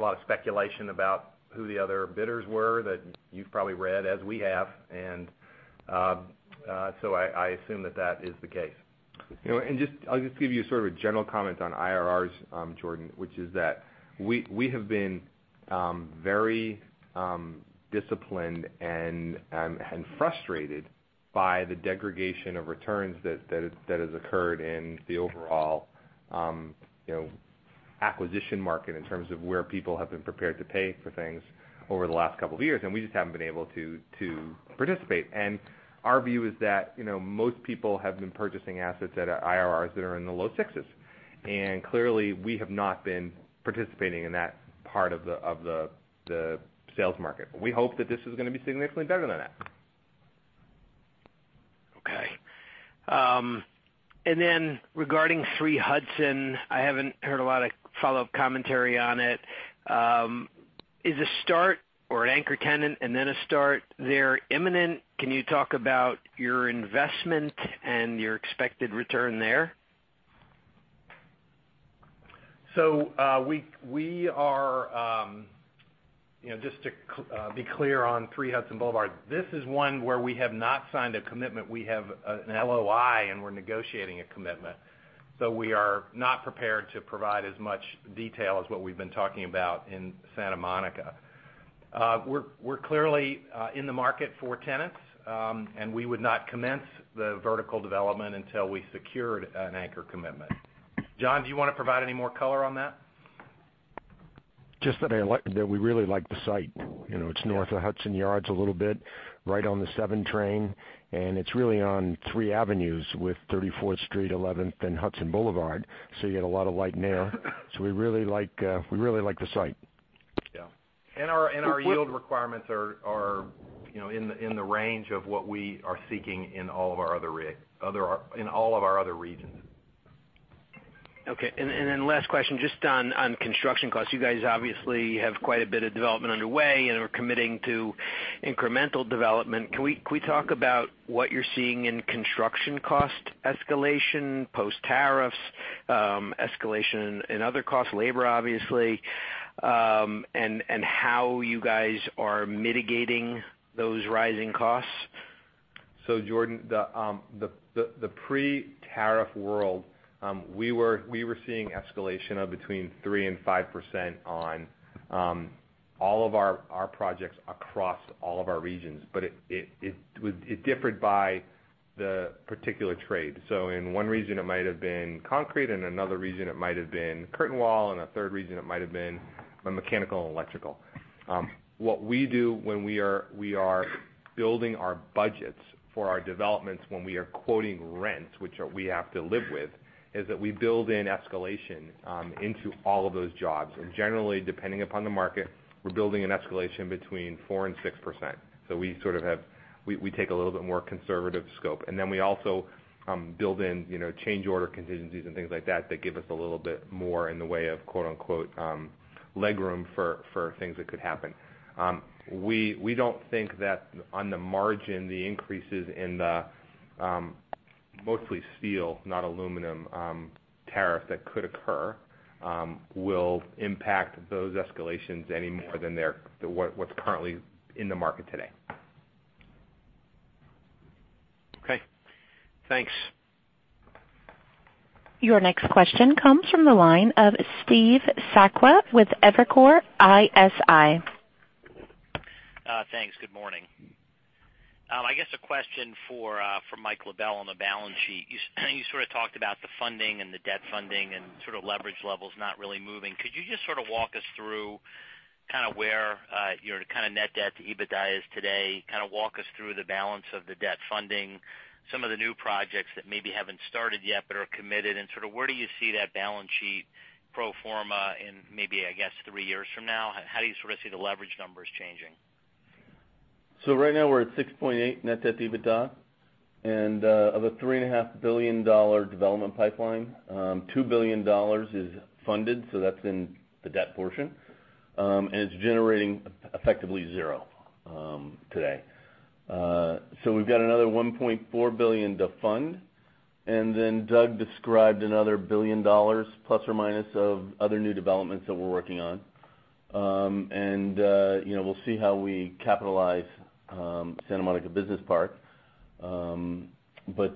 lot of speculation about who the other bidders were that you've probably read, as we have. I assume that that is the case. I'll just give you sort of a general comment on IRRs, Jordan, which is that we have been very disciplined and frustrated by the degradation of returns that has occurred in the overall acquisition market in terms of where people have been prepared to pay for things over the last couple of years, and we just haven't been able to participate. Our view is that most people have been purchasing assets at IRRs that are in the low sixes. Clearly, we have not been participating in that part of the sales market. We hope that this is going to be significantly better than that. Okay. Regarding 3 Hudson, I haven't heard a lot of follow-up commentary on it. Is a start or an anchor tenant and then a start there imminent? Can you talk about your investment and your expected return there? Just to be clear on 3 Hudson Boulevard, this is one where we have not signed a commitment. We have an LOI and we're negotiating a commitment. We are not prepared to provide as much detail as what we've been talking about in Santa Monica. We're clearly in the market for tenants, and we would not commence the vertical development until we secured an anchor commitment. John, do you want to provide any more color on that? Just that we really like the site. It's north of Hudson Yards a little bit, right on the 7 train, and it's really on three avenues with 34th Street, 11th, and Hudson Boulevard, so you get a lot of light and air. We really like the site. Yeah. Our yield requirements are in the range of what we are seeking in all of our other regions. Okay. Last question just on construction costs. You guys obviously have quite a bit of development underway and are committing to incremental development. Can we talk about what you're seeing in construction cost escalation, post-tariffs, escalation in other costs, labor, obviously, and how you guys are mitigating those rising costs? Jordan, the pre-tariff world, we were seeing escalation of between 3% and 5% on all of our projects across all of our regions, but it differed by the particular trade. In one region it might have been concrete, in another region it might have been curtain wall, and a third region it might have been mechanical and electrical. What we do when we are building our budgets for our developments, when we are quoting rents, which we have to live with, is that we build in escalation into all of those jobs. Generally, depending upon the market, we're building an escalation between 4% and 6%. We take a little bit more conservative scope. We also build in change order contingencies and things like that give us a little bit more in the way of "leg room" for things that could happen. We don't think that on the margin, the increases in the mostly steel, not aluminum, tariff that could occur, will impact those escalations any more than what's currently in the market today. Okay. Thanks. Your next question comes from the line of Stephen Sakwa with Evercore ISI. Thanks. Good morning. I guess a question for Michael LaBelle on the balance sheet. You sort of talked about the funding and the debt funding and sort of leverage levels not really moving. Could you just sort of walk us through where your kind of net debt to EBITDA is today? Kind of walk us through the balance of the debt funding, some of the new projects that maybe haven't started yet but are committed, and sort of where do you see that balance sheet pro forma in maybe, I guess, three years from now? How do you sort of see the leverage numbers changing? Right now, we're at 6.8 net debt to EBITDA. Of a $3.5 billion development pipeline, $2 billion is funded, so that's in the debt portion. It's generating effectively zero today. We've got another $1.4 billion to fund, and then Doug described another $1 billion ± of other new developments that we're working on. We'll see how we capitalize Santa Monica Business Park. As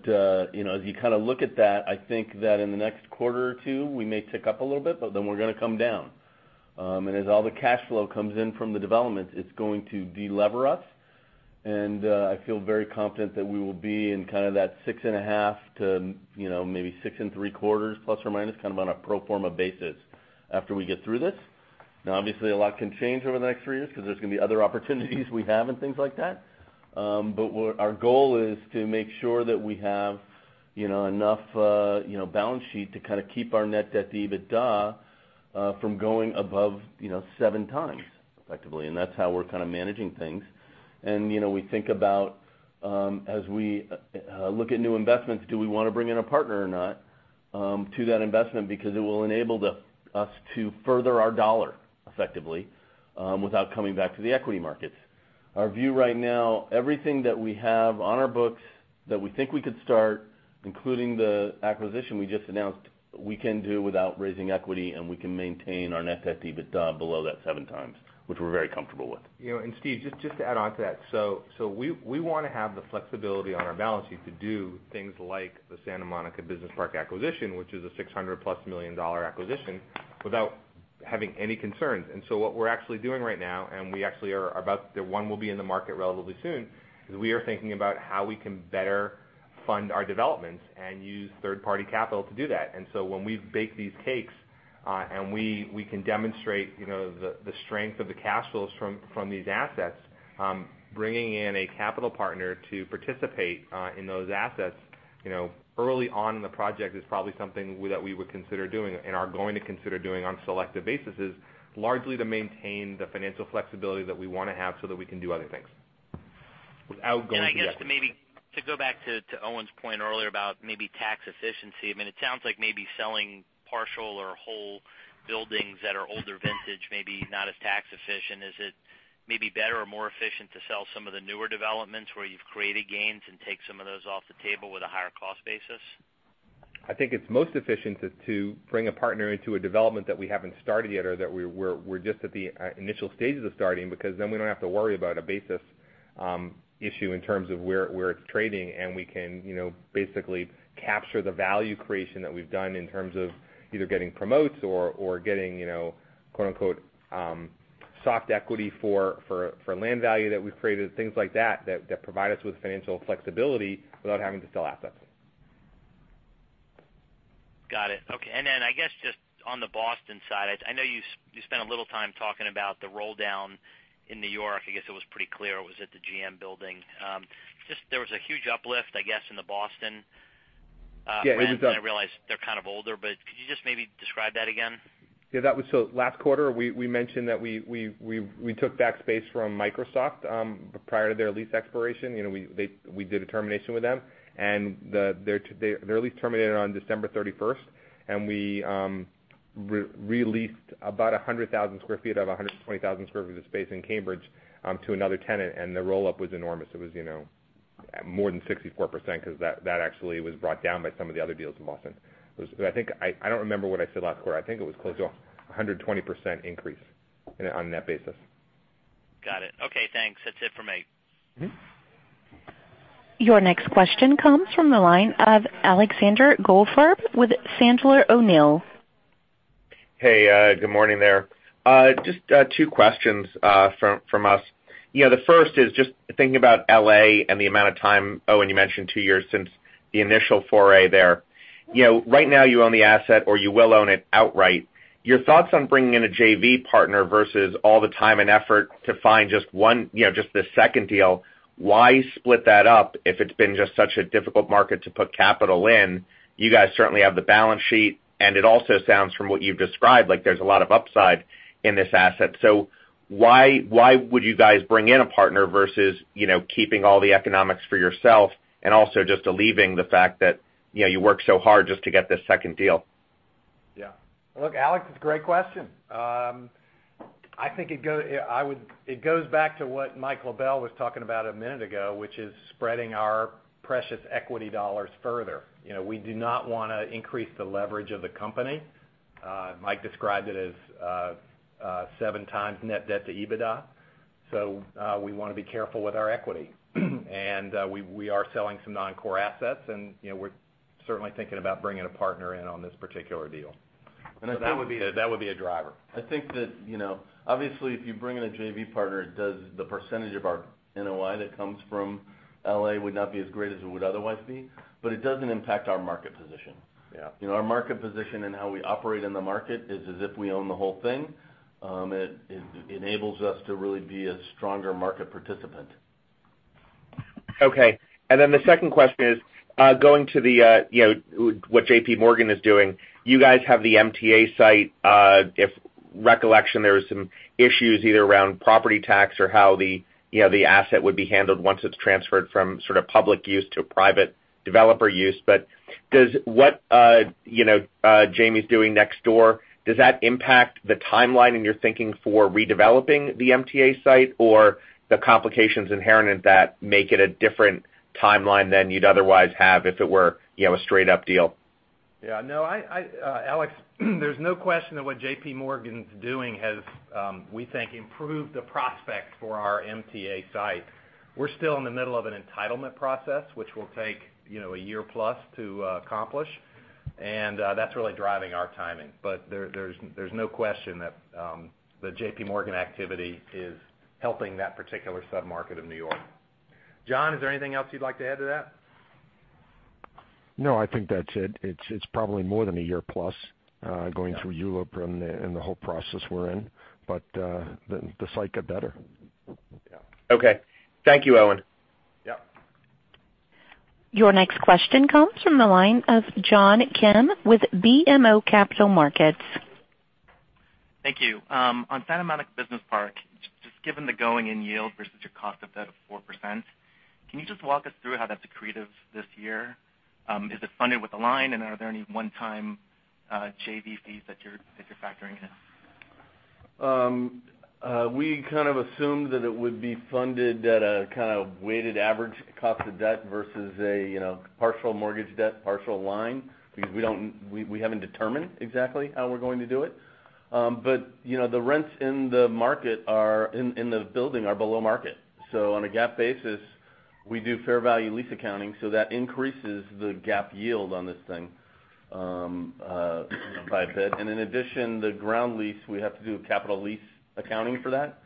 you kind of look at that, I think that in the next quarter or two, we may tick up a little bit, but then we're going to come down. As all the cash flow comes in from the developments, it's going to de-lever us, and I feel very confident that we will be in kind of that 6.5-6.75 ±, kind of on a pro forma basis after we get through this. Obviously, a lot can change over the next 3 years because there's going to be other opportunities we have and things like that. Our goal is to make sure that we have enough balance sheet to kind of keep our net debt to EBITDA from going above 7 times, effectively. That's how we're kind of managing things. We think about, as we look at new investments, do we want to bring in a partner or not to that investment? Because it will enable us to further our dollar effectively, without coming back to the equity markets. Our view right now, everything that we have on our books that we think we could start, including the acquisition we just announced, we can do without raising equity, and we can maintain our net debt to EBITDA below that 7 times, which we're very comfortable with. Steve, just to add on to that. We want to have the flexibility on our balance sheet to do things like the Santa Monica Business Park acquisition, which is a $600+ million acquisition, without having any concerns. What we're actually doing right now, and we actually are about the one who will be in the market relatively soon, is we are thinking about how we can better fund our developments and use third-party capital to do that. When we bake these cakes, and we can demonstrate the strength of the cash flows from these assets, bringing in a capital partner to participate in those assets early on in the project is probably something that we would consider doing and are going to consider doing on selective bases, largely to maintain the financial flexibility that we want to have so that we can do other things without going to the equity markets. I guess to go back to Owen's point earlier about maybe tax efficiency. I mean, it sounds like maybe selling partial or whole buildings that are older vintage, maybe not as tax efficient. Is it maybe better or more efficient to sell some of the newer developments where you've created gains and take some of those off the table with a higher cost basis? I think it's most efficient to bring a partner into a development that we haven't started yet or that we're just at the initial stages of starting, because then we don't have to worry about a basis issue in terms of where it's trading, and we can basically capture the value creation that we've done in terms of either getting promotes or getting "soft equity" for land value that we've created, things like that provide us with financial flexibility without having to sell assets. Got it. Okay. I guess just on the Boston side, I know you spent a little time talking about the roll-down in New York. I guess it was pretty clear it was at the GM building. There was a huge uplift, I guess, in the Boston rents. Yeah. I realize they're kind of older, could you just maybe describe that again? Yeah. Last quarter, we mentioned that we took back space from Microsoft, prior to their lease expiration. We did a termination with them, their lease terminated on December 31st, we re-leased about 100,000 sq ft of 120,000 sq ft of space in Cambridge to another tenant, the roll-up was enormous. It was more than 64%, because that actually was brought down by some of the other deals in Boston. I don't remember what I said last quarter. I think it was close to 120% increase on a net basis. Got it. Okay, thanks. That's it from me. Your next question comes from the line of Alexander Goldfarb with Sandler O'Neill. Hey, good morning there. Just two questions from us. The first is just thinking about L.A. and the amount of time, Owen, you mentioned two years since the initial foray there. Right now you own the asset, or you will own it outright. Your thoughts on bringing in a JV partner versus all the time and effort to find just the second deal. Why split that up if it's been just such a difficult market to put capital in? You guys certainly have the balance sheet, and it also sounds from what you've described, like there's a lot of upside in this asset. Why would you guys bring in a partner versus keeping all the economics for yourself and also just believing the fact that you worked so hard just to get this second deal? Yeah. Look, Alex, it's a great question. I think it goes back to what Mike LaBelle was talking about a minute ago, which is spreading our precious equity dollars further. We do not want to increase the leverage of the company. Mike described it as seven times net debt to EBITDA. We want to be careful with our equity. We are selling some non-core assets, and we're certainly thinking about bringing a partner in on this particular deal. That would be a driver. I think that, obviously, if you bring in a JV partner, the percentage of our NOI that comes from L.A. would not be as great as it would otherwise be. It doesn't impact our market position. Yeah. Our market position and how we operate in the market is as if we own the whole thing. It enables us to really be a stronger market participant. Okay. The second question is, going to what JPMorgan is doing. You guys have the MTA site. If recollection, there were some issues either around property tax or how the asset would be handled once it's transferred from sort of public use to private developer use. Does what Jamie's doing next door, does that impact the timeline in your thinking for redeveloping the MTA site? The complications inherent in that make it a different timeline than you'd otherwise have if it were a straight-up deal? Yeah. No, Alex, there's no question that what JPMorgan's doing has, we think, improved the prospect for our MTA site. We're still in the middle of an entitlement process, which will take a year-plus to accomplish. That's really driving our timing. There's no question that the JPMorgan activity is helping that particular sub-market in New York. John, is there anything else you'd like to add to that? No, I think that's it. It's probably more than a year-plus going through ULURP and the whole process we're in. The site got better. Yeah. Okay. Thank you, Owen. Yeah. Your next question comes from the line of John Kim with BMO Capital Markets. Thank you. On Santa Monica Business Park, just given the going-in yield versus your cost of debt of 4%, can you just walk us through how that's accretive this year? Is it funded with a line, and are there any one-time JV fees that you're factoring in? We kind of assumed that it would be funded at a kind of weighted average cost of debt versus a partial mortgage debt, partial line, because we haven't determined exactly how we're going to do it. The rents in the building are below market. On a GAAP basis, we do fair value lease accounting, so that increases the GAAP yield on this thing by a bit. In addition, the ground lease, we have to do a capital lease accounting for that.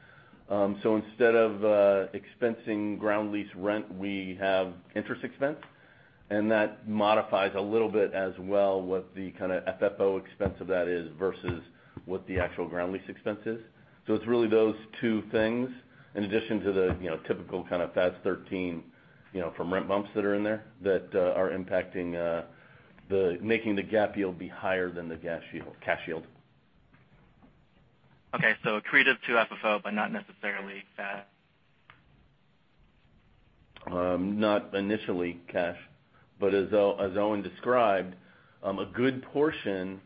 Instead of expensing ground lease rent, we have interest expense. That modifies a little bit as well what the kind of FFO expense of that is versus what the actual ground lease expense is. It's really those two things, in addition to the typical kind of FAS 13 from rent bumps that are in there that are making the GAAP yield be higher than the cash yield. Okay. Accretive to FFO, but not necessarily cash. Not initially cash. As Owen described, a good portion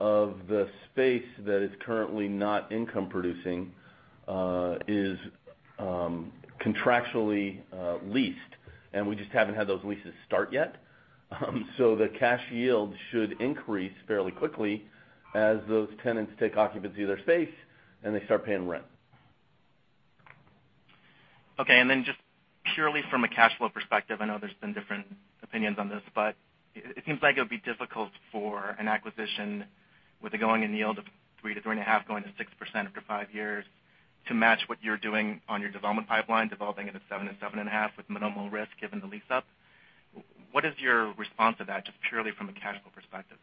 of the space that is currently not income producing is contractually leased. We just haven't had those leases start yet. The cash yield should increase fairly quickly as those tenants take occupancy of their space and they start paying rent. Okay. Just purely from a cash flow perspective, I know there's been different opinions on this, but it seems like it would be difficult for an acquisition with a going-in yield of 3%-3.5%, going to 6% after 5 years, to match what you're doing on your development pipeline, developing it at 7%-7.5% with minimal risk, given the lease-up. What is your response to that, just purely from a cash flow perspective?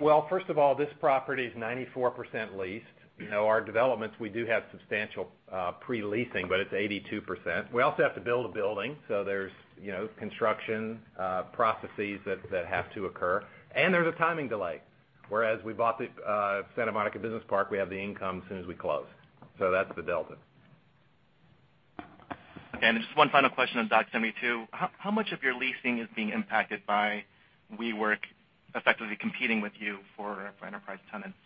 Well, first of all, this property is 94% leased. Our developments, we do have substantial pre-leasing, but it's 82%. We also have to build a building, so there's construction processes that have to occur. There's a timing delay. Whereas we bought the Santa Monica Business Park, we have the income as soon as we close. That's the delta. Okay. Just one final question on Dock72. How much of your leasing is being impacted by WeWork effectively competing with you for enterprise tenants?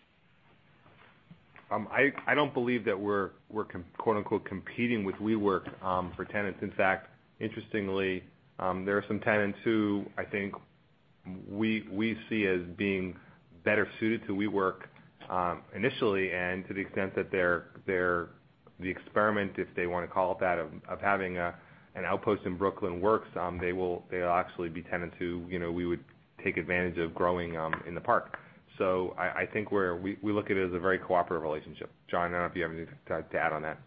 I don't believe that we're, quote unquote, "competing" with WeWork for tenants. In fact, interestingly, there are some tenants who I think we see as being better suited to WeWork, initially, and to the extent that the experiment, if they want to call it that, of having an outpost in Brooklyn works, they'll actually be tenants who we would take advantage of growing in the park. I think we look at it as a very cooperative relationship. John, I don't know if you have anything to add on that.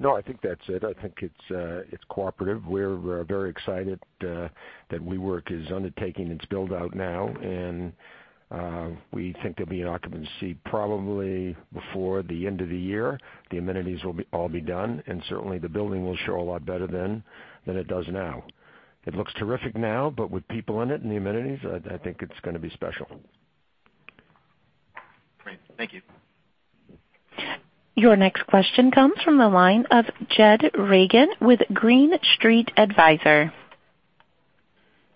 No, I think that's it. I think it's cooperative. We're very excited that WeWork is undertaking its build-out now, we think there'll be an occupancy probably before the end of the year. The amenities will all be done, certainly the building will show a lot better then than it does now. It looks terrific now, with people in it and the amenities, I think it's going to be special. Great. Thank you. Your next question comes from the line of Jed Reagan with Green Street Advisors.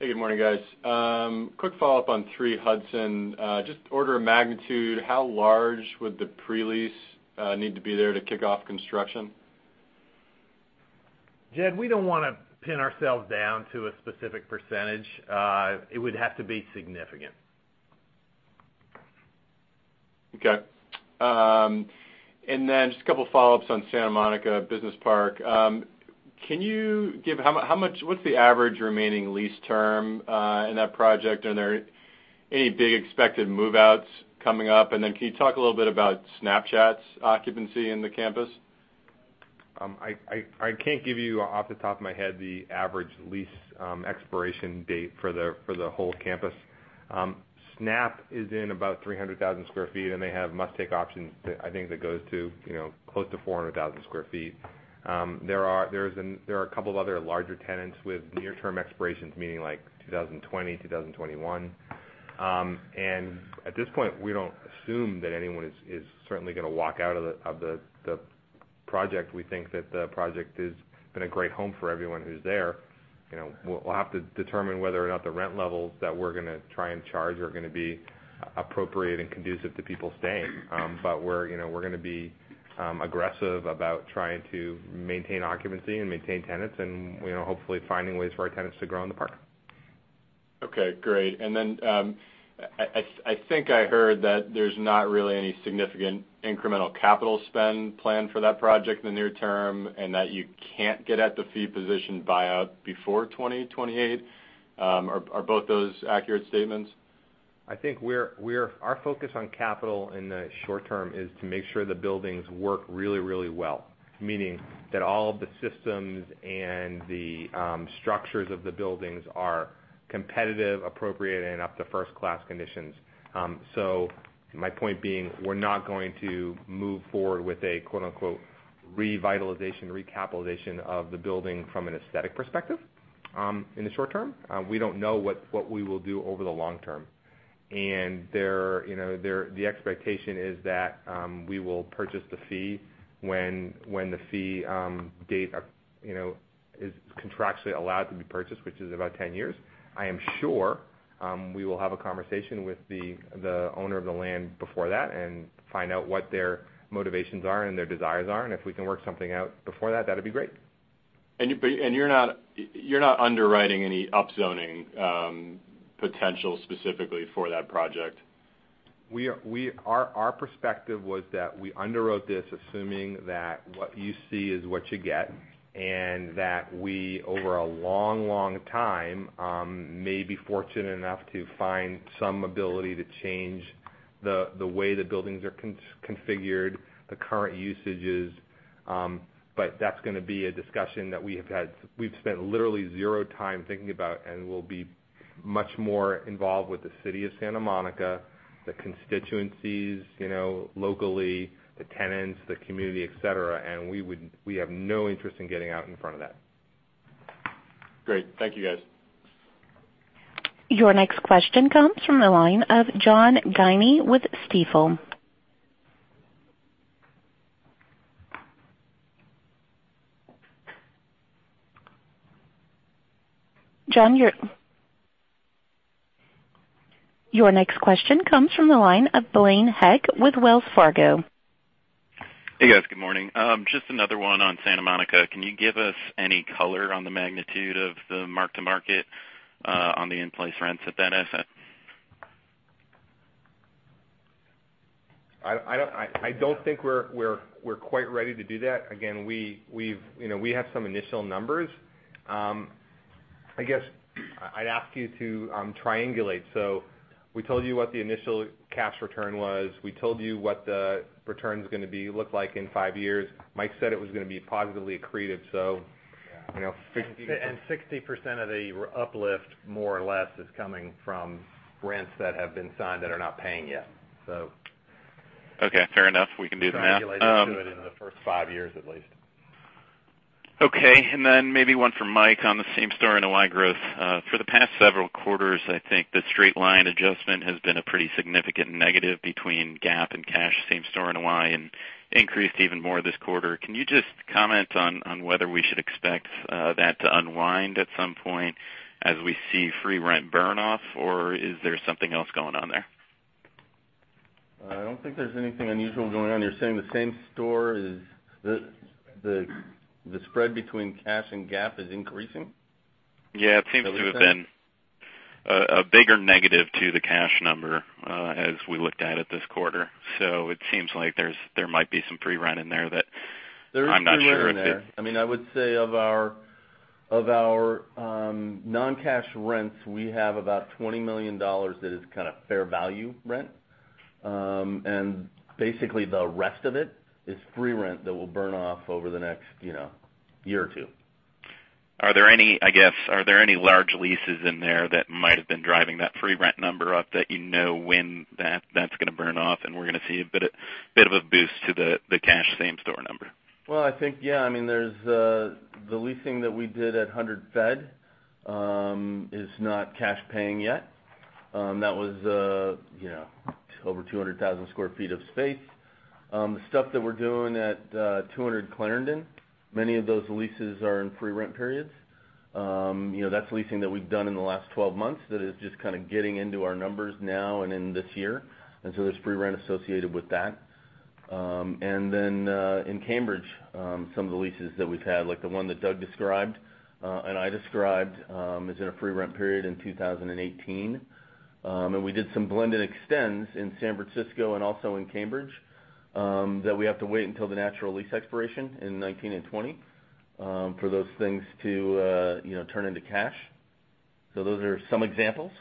Hey, good morning, guys. Quick follow-up on 3 Hudson. Just order of magnitude, how large would the pre-lease need to be there to kick off construction? Jed, we don't want to pin ourselves down to a specific percentage. It would have to be significant. Okay. Just a couple follow-ups on Santa Monica Business Park. What's the average remaining lease term in that project? Are there any big expected move-outs coming up? Can you talk a little bit about Snapchat's occupancy in the campus? I can't give you off the top of my head the average lease expiration date for the whole campus. Snap is in about 300,000 sq ft, and they have must-take options, I think, that goes to close to 400,000 sq ft. There are a couple other larger tenants with near-term expirations, meaning like 2020, 2021. At this point, we don't assume that anyone is certainly going to walk out of the project. We think that the project has been a great home for everyone who's there. We'll have to determine whether or not the rent levels that we're going to try and charge are going to be appropriate and conducive to people staying. We're going to be aggressive about trying to maintain occupancy and maintain tenants and hopefully finding ways for our tenants to grow in the park. Okay, great. I think I heard that there's not really any significant incremental capital spend planned for that project in the near term, and that you can't get at the fee position buyout before 2028. Are both those accurate statements? I think our focus on capital in the short term is to make sure the buildings work really, really well, meaning that all of the systems and the structures of the buildings are competitive, appropriate, and up to first-class conditions. My point being, we're not going to move forward with a, quote unquote, "revitalization, recapitalization" of the building from an aesthetic perspective in the short term. We don't know what we will do over the long term. The expectation is that we will purchase the fee when the fee date is contractually allowed to be purchased, which is about 10 years. I am sure we will have a conversation with the owner of the land before that and find out what their motivations are and their desires are. If we can work something out before that'd be great. You're not underwriting any upzoning potential specifically for that project. Our perspective was that we underwrote this assuming that what you see is what you get, and that we, over a long, long time, may be fortunate enough to find some ability to change the way the buildings are configured, the current usages. That's going to be a discussion that we've spent literally zero time thinking about, and we'll be much more involved with the city of Santa Monica, the constituencies locally, the tenants, the community, et cetera, and we have no interest in getting out in front of that. Great. Thank you, guys. Your next question comes from the line of Blaine Heck with Wells Fargo. Hey, guys. Good morning. Just another one on Santa Monica. Can you give us any color on the magnitude of the mark-to-market on the in-place rents at that asset? I don't think we're quite ready to do that. Again, we have some initial numbers. I guess I'd ask you to triangulate. We told you what the initial cash return was. We told you what the return's going to look like in five years. Mike said it was going to be positively accretive. Yeah. You know, 60% of the uplift, more or less, is coming from rents that have been signed that are not paying yet. Okay, fair enough. We can do the math. Triangulate into it in the first five years, at least. Okay. Maybe one for Mike on the same-store NOI growth. For the past several quarters, I think the straight-line adjustment has been a pretty significant negative between GAAP and cash same-store NOI, and increased even more this quarter. Can you just comment on whether we should expect that to unwind at some point as we see free rent burn off, or is there something else going on there? I don't think there's anything unusual going on. You're saying the same store the spread between cash and GAAP is increasing? Yeah. It seems to have been a bigger negative to the cash number as we looked at it this quarter. It seems like there might be some free rent in there that I'm not sure. There is free rent in there. I would say of our non-cash rents, we have about $20 million that is kind of fair value rent. Basically, the rest of it is free rent that will burn off over the next year or two. Are there any large leases in there that might have been driving that free rent number up that you know when that's going to burn off and we're going to see a bit of a boost to the cash same-store number? I think, yeah. There's the leasing that we did at 100 Fed is not cash paying yet. That was over 200,000 sq ft of space. The stuff that we're doing at 200 Clarendon, many of those leases are in free rent periods. That's leasing that we've done in the last 12 months that is just kind of getting into our numbers now and in this year. There's free rent associated with that. In Cambridge, some of the leases that we've had, like the one that Doug described and I described, is in a free rent period in 2018. We did some blend and extends in San Francisco and also in Cambridge, that we have to wait until the natural lease expiration in 2019 and 2020 for those things to turn into cash. Those are some examples.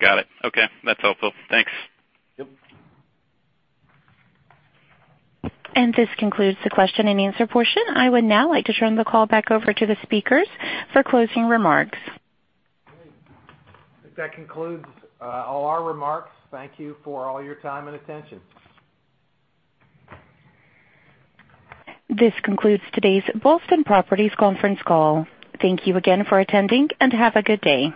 Got it. Okay, that's helpful. Thanks. Yep. This concludes the question and answer portion. I would now like to turn the call back over to the speakers for closing remarks. Great. I think that concludes all our remarks. Thank you for all your time and attention. This concludes today's Boston Properties conference call. Thank you again for attending, and have a good day.